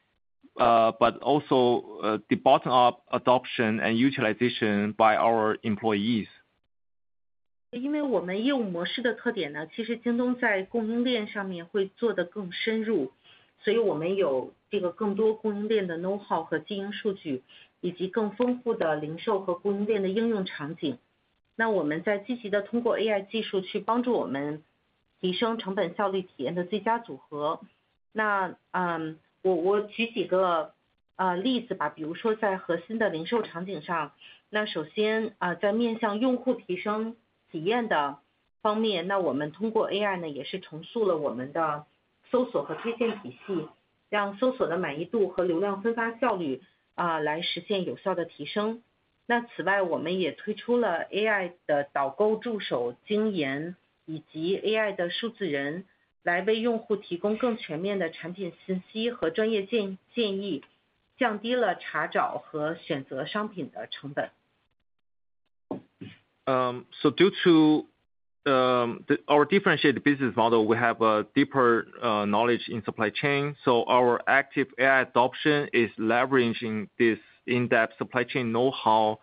but also the bottom-up adoption and utilization by our employees. 因为我们业务模式的特点，其实京东在供应链上面会做得更深入，所以我们有更多供应链的 know-how 和经营数据，以及更丰富的零售和供应链的应用场景。那我们在积极地通过 AI 技术去帮助我们提升成本效率体验的最佳组合。那我举几个例子，比如说在核心的零售场景上，那首先在面向用户提升体验的方面，那我们通过 AI 也是重塑了我们的搜索和推荐体系，让搜索的满意度和流量分发效率来实现有效的提升。那此外我们也推出了 AI 的导购助手Jingyan，以及 AI 的数字人来为用户提供更全面的产品信息和专业建议，降低了查找和选择商品的成本。So due to our differentiated business model, we have a deeper knowledge in supply chain. So our active AI adoption is leveraging this in-depth supply chain know-how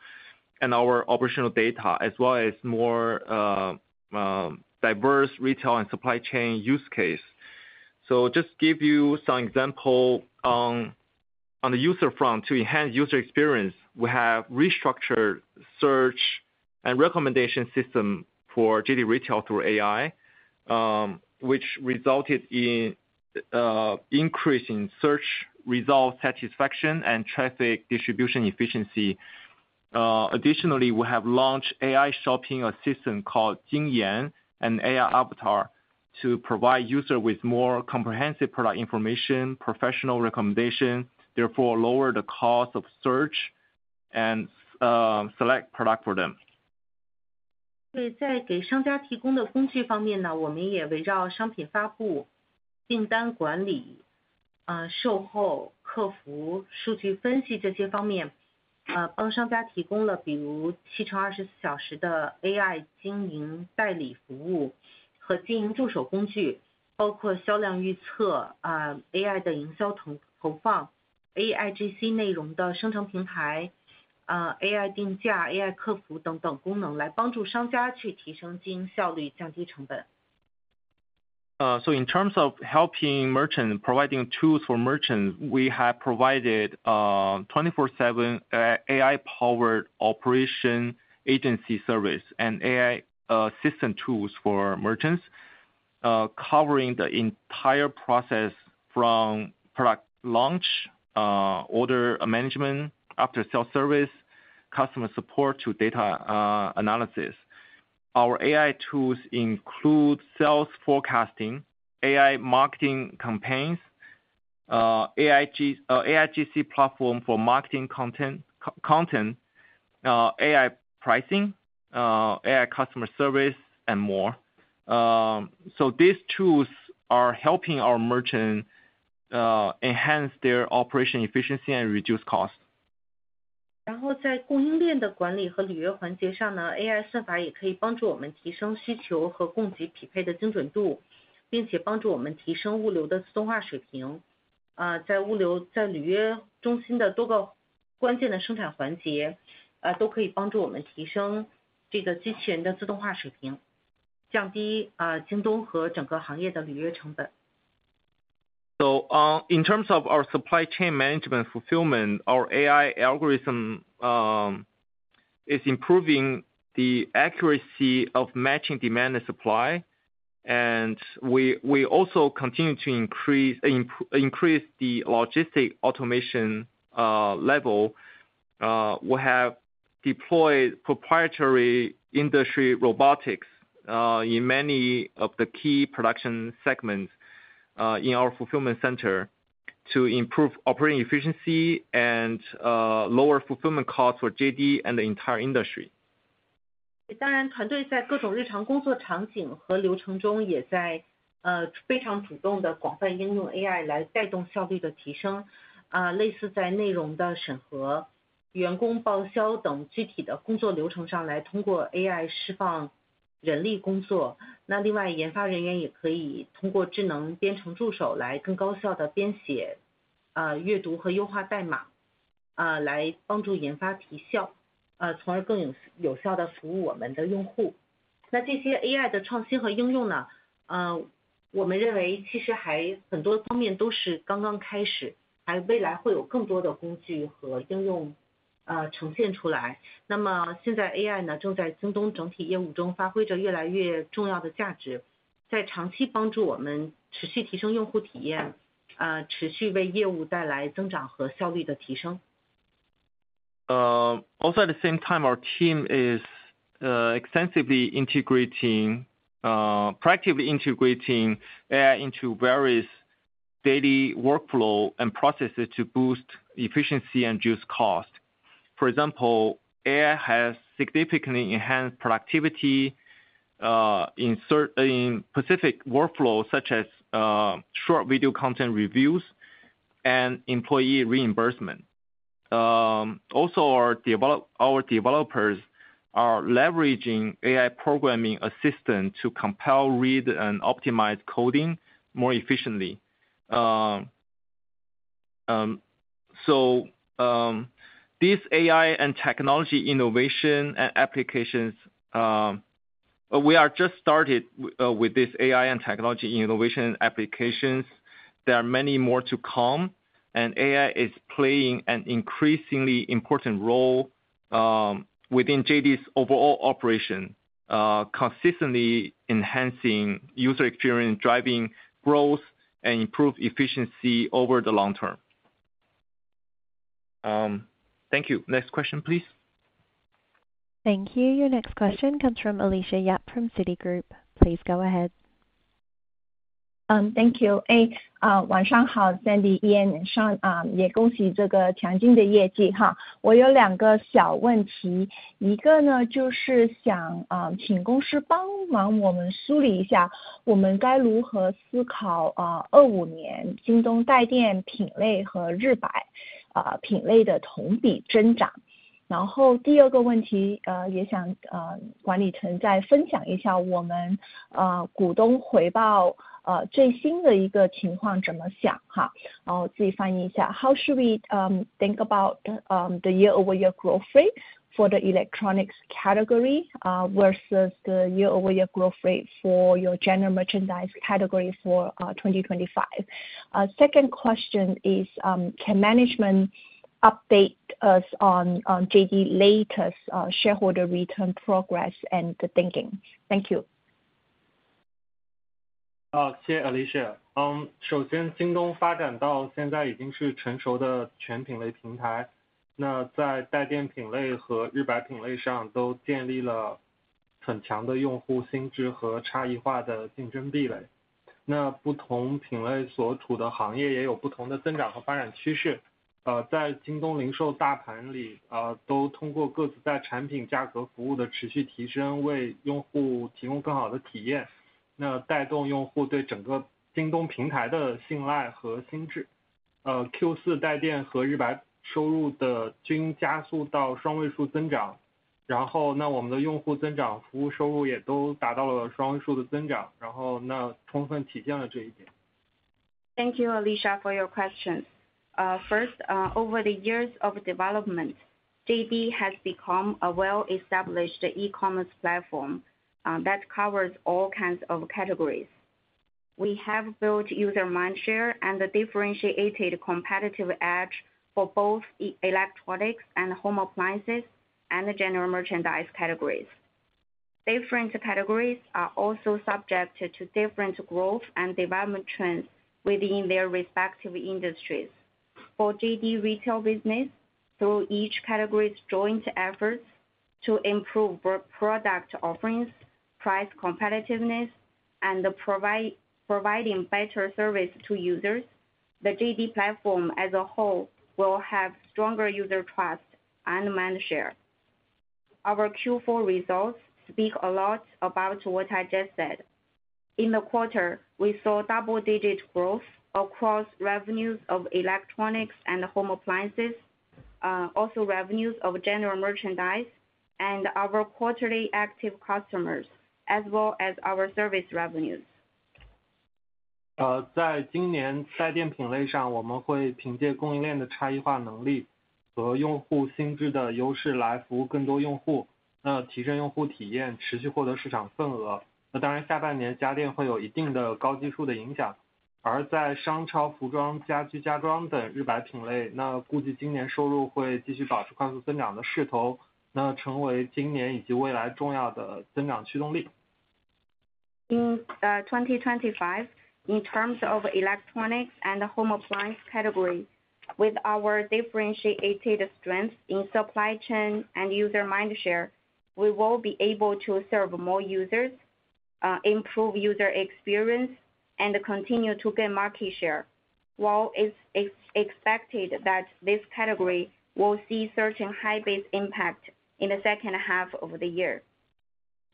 and our operational data, as well as more diverse retail and supply chain use case. So just give you some example on the user front to enhance user experience. We have restructured search and recommendation system for JD Retail through AI, which resulted in increasing search result satisfaction and traffic distribution efficiency. Additionally, we have launched AI shopping assistant called Jingyan and AI Avatar to provide users with more comprehensive product information, professional recommendations, therefore lower the cost of search and select product for them. 所以在给商家提供的工具方面，我们也围绕商品发布、订单管理、售后客服、数据分析这些方面，帮商家提供了比如 7x24 小时的 AI 经营代理服务和经营助手工具，包括销量预测、AI 的营销投放、AIGC 内容的生成平台、AI 定价、AI 客服等等功能，来帮助商家去提升经营效率，降低成本。So in terms of helping merchants, providing tools for merchants, we have provided 24x7 AI powered operation agency service and AI assistant tools for merchants, covering the entire process from product launch, order management, after-sale service, customer support to data analysis. Our AI tools include sales forecasting, AI marketing campaigns, AIGC platform for marketing content, AI pricing, AI customer service, and more. So these tools are helping our merchants enhance their operation efficiency and reduce costs. 然后在供应链的管理和履约环节上，AI 算法也可以帮助我们提升需求和供给匹配的精准度，并且帮助我们提升物流的自动化水平。在物流在履约中心的多个关键的生产环节，都可以帮助我们提升机器人的自动化水平，降低京东和整个行业的履约成本。So in terms of our supply chain management fulfillment, our AI algorithm is improving the accuracy of matching demand and supply, and we also continue to increase the logistics automation level. We have deployed proprietary industrial robotics in many of the key production segments in our fulfillment center to improve operating efficiency and lower fulfillment costs for JD and the entire industry. 当然团队在各种日常工作场景和流程中也在非常主动地广泛应用 AI 来带动效率的提升，类似在内容的审核、员工报销等具体的工作流程上来通过 AI 释放人力工作。那另外研发人员也可以通过智能编程助手来更高效地编写、阅读和优化代码，来帮助研发提效，从而更有效地服务我们的用户。那这些 AI 的创新和应用，我们认为其实还很多方面都是刚刚开始，还未来会有更多的工具和应用呈现出来。那么现在 AI 正在京东整体业务中发挥着越来越重要的价值，在长期帮助我们持续提升用户体验，持续为业务带来增长和效率的提升。Also at the same time, our team is extensively integrating, proactively integrating AI into various daily workflows and processes to boost efficiency and reduce costs. For example, AI has significantly enhanced productivity in specific workflows such as short video content reviews and employee reimbursement. Also our developers are leveraging AI programming assistants to compile, read, and optimize coding more efficiently. So these AI and technology innovation and applications, we are just started with this AI and technology innovation applications. There are many more to come, and AI is playing an increasingly important role within JD's overall operation, consistently enhancing user experience, driving growth, and improved efficiency over the long term. Thank you. Next question, please. Thank you. Your next question comes from Alicia Yap from Citigroup. Please go ahead. Thank you. 晚上好，Sandy Xu 也恭喜这个强劲的业绩。我有两个小问题，一个就是想请公司帮忙我们梳理一下，我们该如何思考 25 年京东带电品类和日百品类的同比增长。然后第二个问题也想管理层再分享一下我们股东回报最新的一个情况怎么想。我自己翻译一下 how should we think about the year-over-year growth rate for the electronics category versus the year-over-year growth rate for your General Merchandise category for 2025? Second question is, can management update us on JD's latest shareholder return progress and the thinking? Thank you. 谢谢 Alicia。首先京东发展到现在已经是成熟的全品类平台，那在带电品类和日百品类上都建立了很强的用户心智和差异化的竞争壁垒。那不同品类所处的行业也有不同的增长和发展趋势。在京东零售大盘里，都通过各自在产品价格服务的持续提升，为用户提供更好的体验，那带动用户对整个京东平台的信赖和心智。Q4 带电和日百收入的均加速到双位数增长，然后我们的用户增长服务收入也都达到了双位数的增长，然后充分体现了这一点。Thank you, Alicia, for your questions. First, over the years of development, JD has become a well-established e-commerce platform that covers all kinds of categories. We have built user mind share and differentiated competitive edge for both electronics and home appliances and General Merchandise categories. Different categories are also subject to different growth and development trends within their respective industries. For JD Retail business, through each category's joint efforts to improve product offerings, price competitiveness, and providing better service to users, the JD platform as a whole will have stronger user trust and mind share. Our Q4 results speak a lot about what I just said. In the quarter, we saw double-digit growth across revenues of electronics and home appliances, also revenues of General Merchandise, and our quarterly active customers, as well as our service revenues. 在今年带电品类上，我们会凭借供应链的差异化能力和用户心智的优势来服务更多用户，提升用户体验，持续获得市场份额。那当然下半年家电会有一定的高基数的影响，而在商超、服装、家居、家装等日用品类，那估计今年收入会继续保持快速增长的势头，那成为今年以及未来重要的增长驱动力。In 2025, in terms of electronics and home appliance category, with our differentiated strength in supply chain and user mind share, we will be able to serve more users, improve user experience, and continue to gain market share, while it's expected that this category will see certain high base impact in the second half of the year.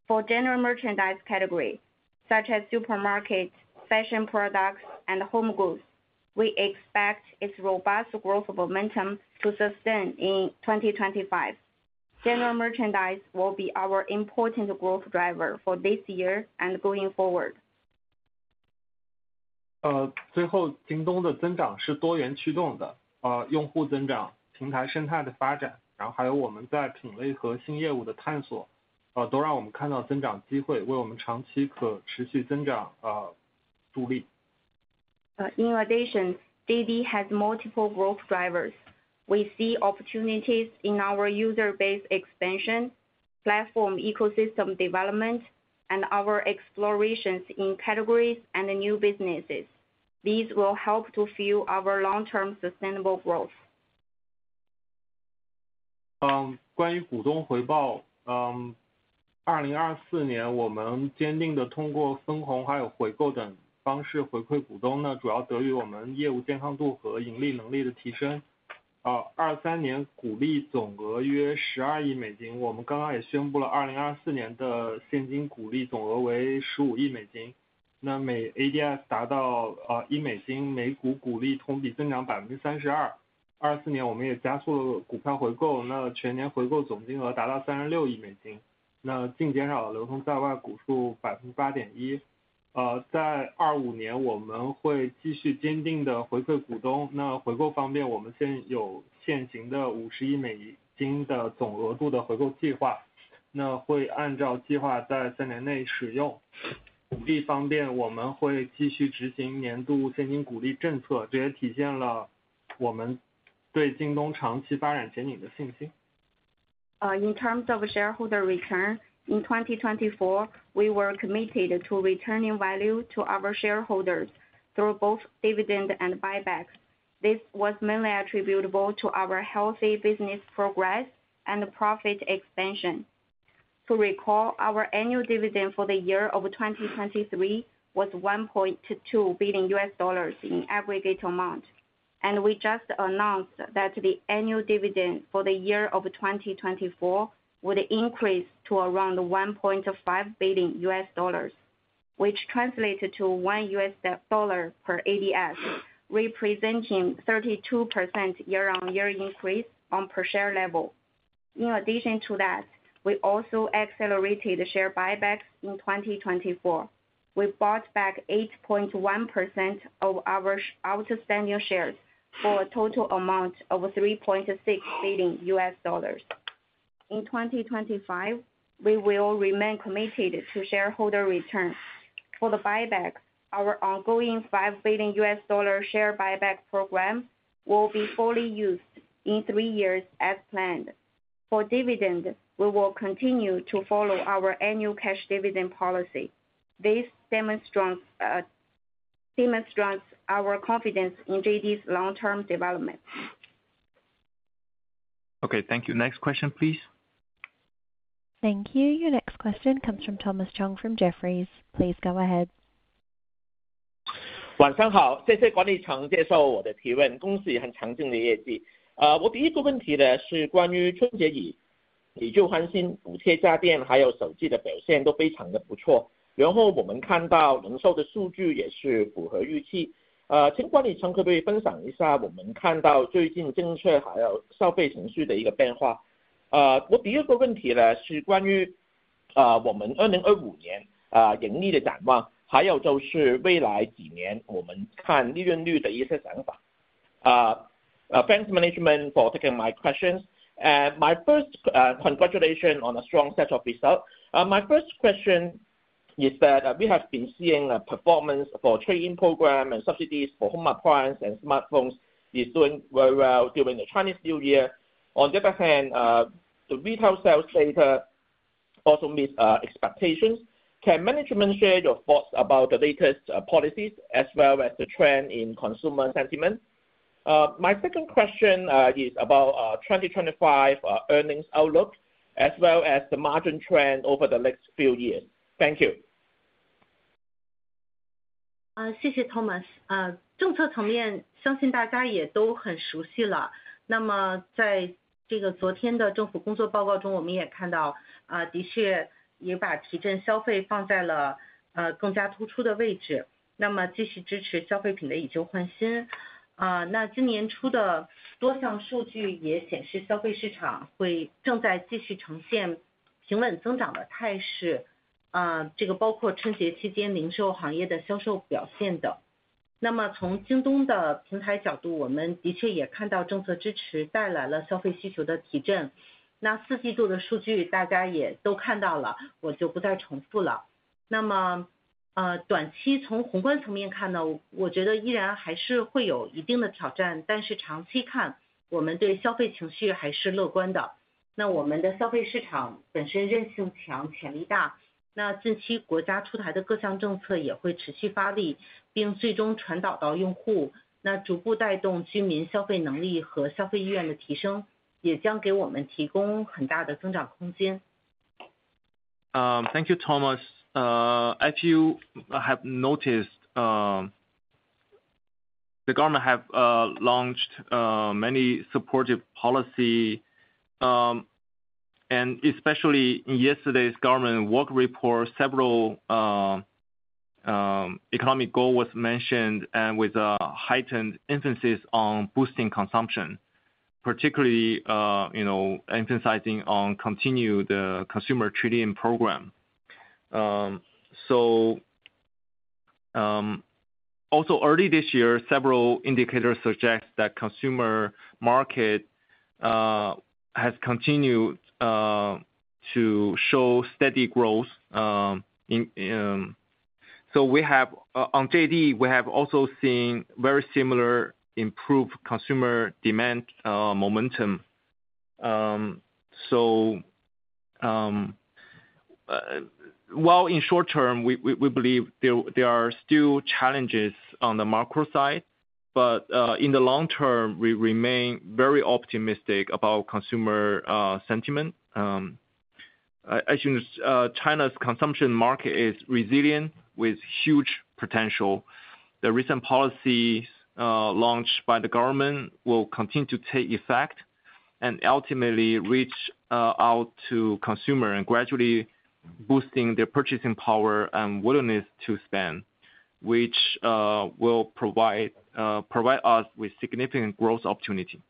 For General Merchandise category, such as supermarkets, fashion products, and home goods, we expect its robust growth momentum to sustain in 2025. General merchandise will be our important growth driver for this year and going forward. 最后京东的增长是多元驱动的，用户增长、平台生态的发展，然后还有我们在品类和新业务的探索，都让我们看到增长机会，为我们长期可持续增长助力。In addition, JD has multiple growth drivers. We see opportunities in our user base expansion, platform ecosystem development, and our explorations in categories and new businesses. These will help to fuel our long-term sustainable growth. In terms of shareholder return, in 2024, we were committed to returning value to our shareholders through both dividend and buyback. This was mainly attributable to our healthy business progress and profit expansion. To recall, our annual dividend for the year of 2023 was $1.2 billion in aggregate amount, and we just announced that the annual dividend for the year of 2024 would increase to around $1.5 billion, which translates to $1 per ADS, representing 32% year-on-year increase on per share level. In addition to that, we also accelerated share buybacks in 2024. We bought back 8.1% of our outstanding shares for a total amount of $3.6 billion. In 2025, we will remain committed to shareholder return. For the buyback, our ongoing $5 billion share buyback program will be fully used in three years as planned. For dividend, we will continue to follow our annual cash dividend policy. This demonstrates our confidence in JD's long-term development. Okay, thank you. Next question, please. Thank you. Your next question comes from Thomas Chong from Jefferies. Please go ahead. 晚上好，谢谢管理层接受我的提问，恭喜很强劲的业绩。我第一个问题是关于春节以来，以旧换新、补贴家电，还有手机的表现都非常不错，然后我们看到零售的数据也是符合预期。请管理层可不可以分享一下我们看到最近政策还有消费情绪的一个变化？我第一个问题是关于我们2025年盈利的展望，还有就是未来几年我们看利润率的一些想法。Thanks, Management, for taking my questions. My first congratulations on a strong set of results. My first question is that we have been seeing a performance for trade-in programs and subsidies for home appliances and smartphones is doing very well during the Chinese New Year. On the other hand, the retail sales data also meets expectations. Can Management share your thoughts about the latest policies as well as the trend in consumer sentiment? My second question is about 2025 earnings outlook as well as the margin trend over the next few years. Thank you. 谢谢, Thomas。政策层面相信大家也都很熟悉了。那么在昨天的政府工作报告中，我们也看到的确也把提振消费放在了更加突出的位置。那么继续支持消费品的以旧换新。那今年初的多项数据也显示消费市场正在继续呈现平稳增长的态势，这个包括春节期间零售行业的销售表现等。那么从京东的平台角度，我们的确也看到政策支持带来了消费需求的提振。那四季度的数据大家也都看到了，我就不再重复了。那么短期从宏观层面看，我觉得依然还是会有一定的挑战，但是长期看我们对消费情绪还是乐观的。那我们的消费市场本身韧性强，潜力大。那近期国家出台的各项政策也会持续发力，并最终传导到用户，逐步带动居民消费能力和消费意愿的提升，也将给我们提供很大的增长空间。Thank you, Thomas. As you have noticed, the government has launched many supportive policies, and especially in yesterday's Government Work Report, several economic goals were mentioned with a heightened emphasis on boosting consumption, particularly emphasizing on continuing the consumer trade-in program. So also early this year, several indicators suggest that the consumer market has continued to show steady growth. So we have on JD, we have also seen very similar improved consumer demand momentum. So while in short term, we believe there are still challenges on the macro side, but in the long term, we remain very optimistic about consumer sentiment. As you know, China's consumption market is resilient with huge potential. The recent policies launched by the government will continue to take effect and ultimately reach out to consumers and gradually boost their purchasing power and willingness to spend, which will provide us with significant growth opportunity.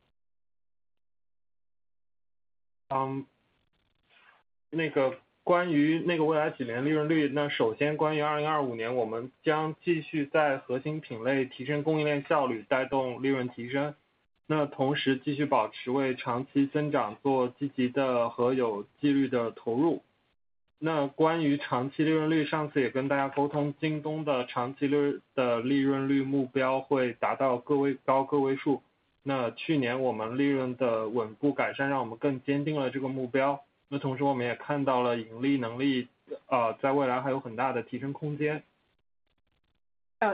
关于未来几年利润率，首先关于2025年，我们将继续在核心品类提升供应链效率，带动利润提升。同时继续保持为长期增长做积极的和有纪律的投入。关于长期利润率，上次也跟大家沟通，京东的长期利润率目标会达到高个位数。去年我们利润的稳步改善让我们更坚定了这个目标。同时我们也看到了盈利能力在未来还有很大的提升空间.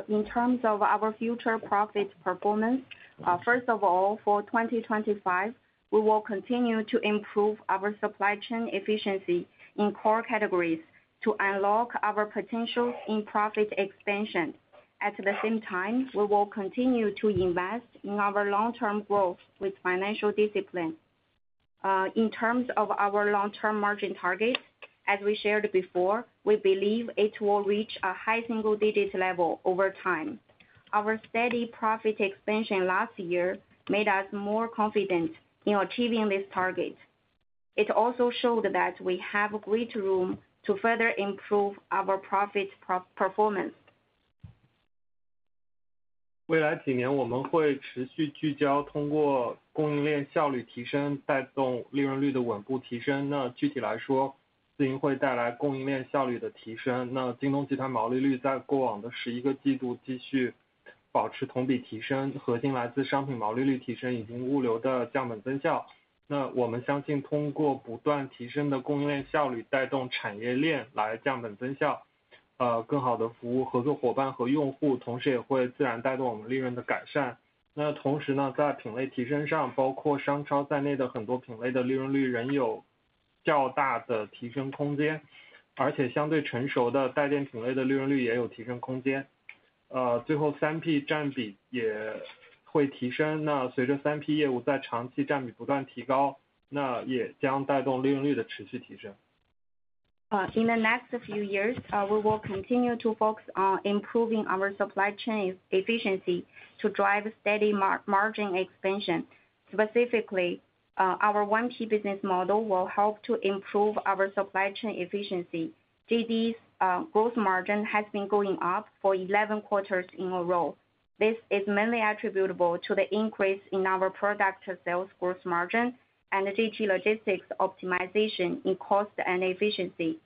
In terms of our future profit performance, first of all, for 2025, we will continue to improve our supply chain efficiency in core categories to unlock our potential in profit expansion. At the same time, we will continue to invest in our long-term growth with financial discipline. In terms of our long-term margin target, as we shared before, we believe it will reach a high single digit level over time. Our steady profit expansion last year made us more confident in achieving this target. It also showed that we have great room to further improve our profit performance. In the next few years, we will continue to focus on improving our supply chain efficiency to drive steady margin expansion. Specifically, our 1P business model will help to improve our supply chain efficiency. JD's gross margin has been going up for 11 quarters in a row. This is mainly attributable to the increase in our product sales gross margin and JD Logistics' optimization in cost and efficiency.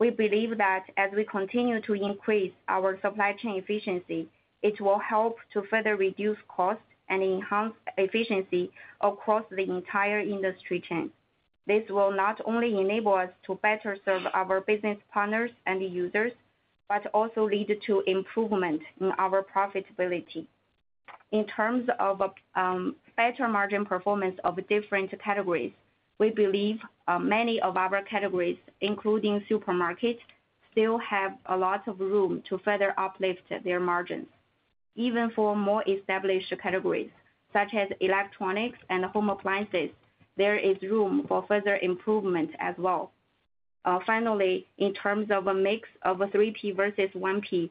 We believe that as we continue to increase our supply chain efficiency, it will help to further reduce cost and enhance efficiency across the entire industry chain. This will not only enable us to better serve our business partners and users, but also lead to improvement in our profitability. In terms of better margin performance of different categories, we believe many of our categories, including supermarkets, still have a lot of room to further uplift their margins. Even for more established categories, such as electronics and home appliances, there is room for further improvement as well. Finally, in terms of a mix of 3P versus 1P,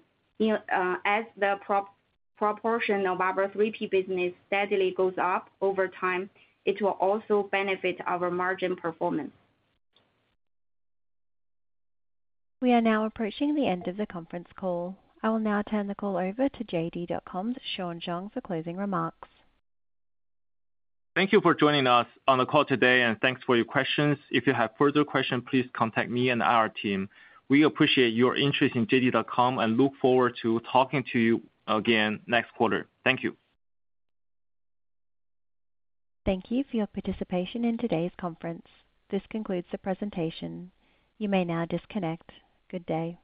as the proportion of our 3P business steadily goes up over time, it will also benefit our margin performance. We are now approaching the end of the conference call. I will now turn the call over to JD.com's Sean Zhang for closing remarks. Thank you for joining us on the call today, and thanks for your questions. If you have further questions, please contact me and our team. We appreciate your interest in JD.com and look forward to talking to you again next quarter. Thank you. Thank you for your participation in today's conference. This concludes the presentation. You may now disconnect. Good day.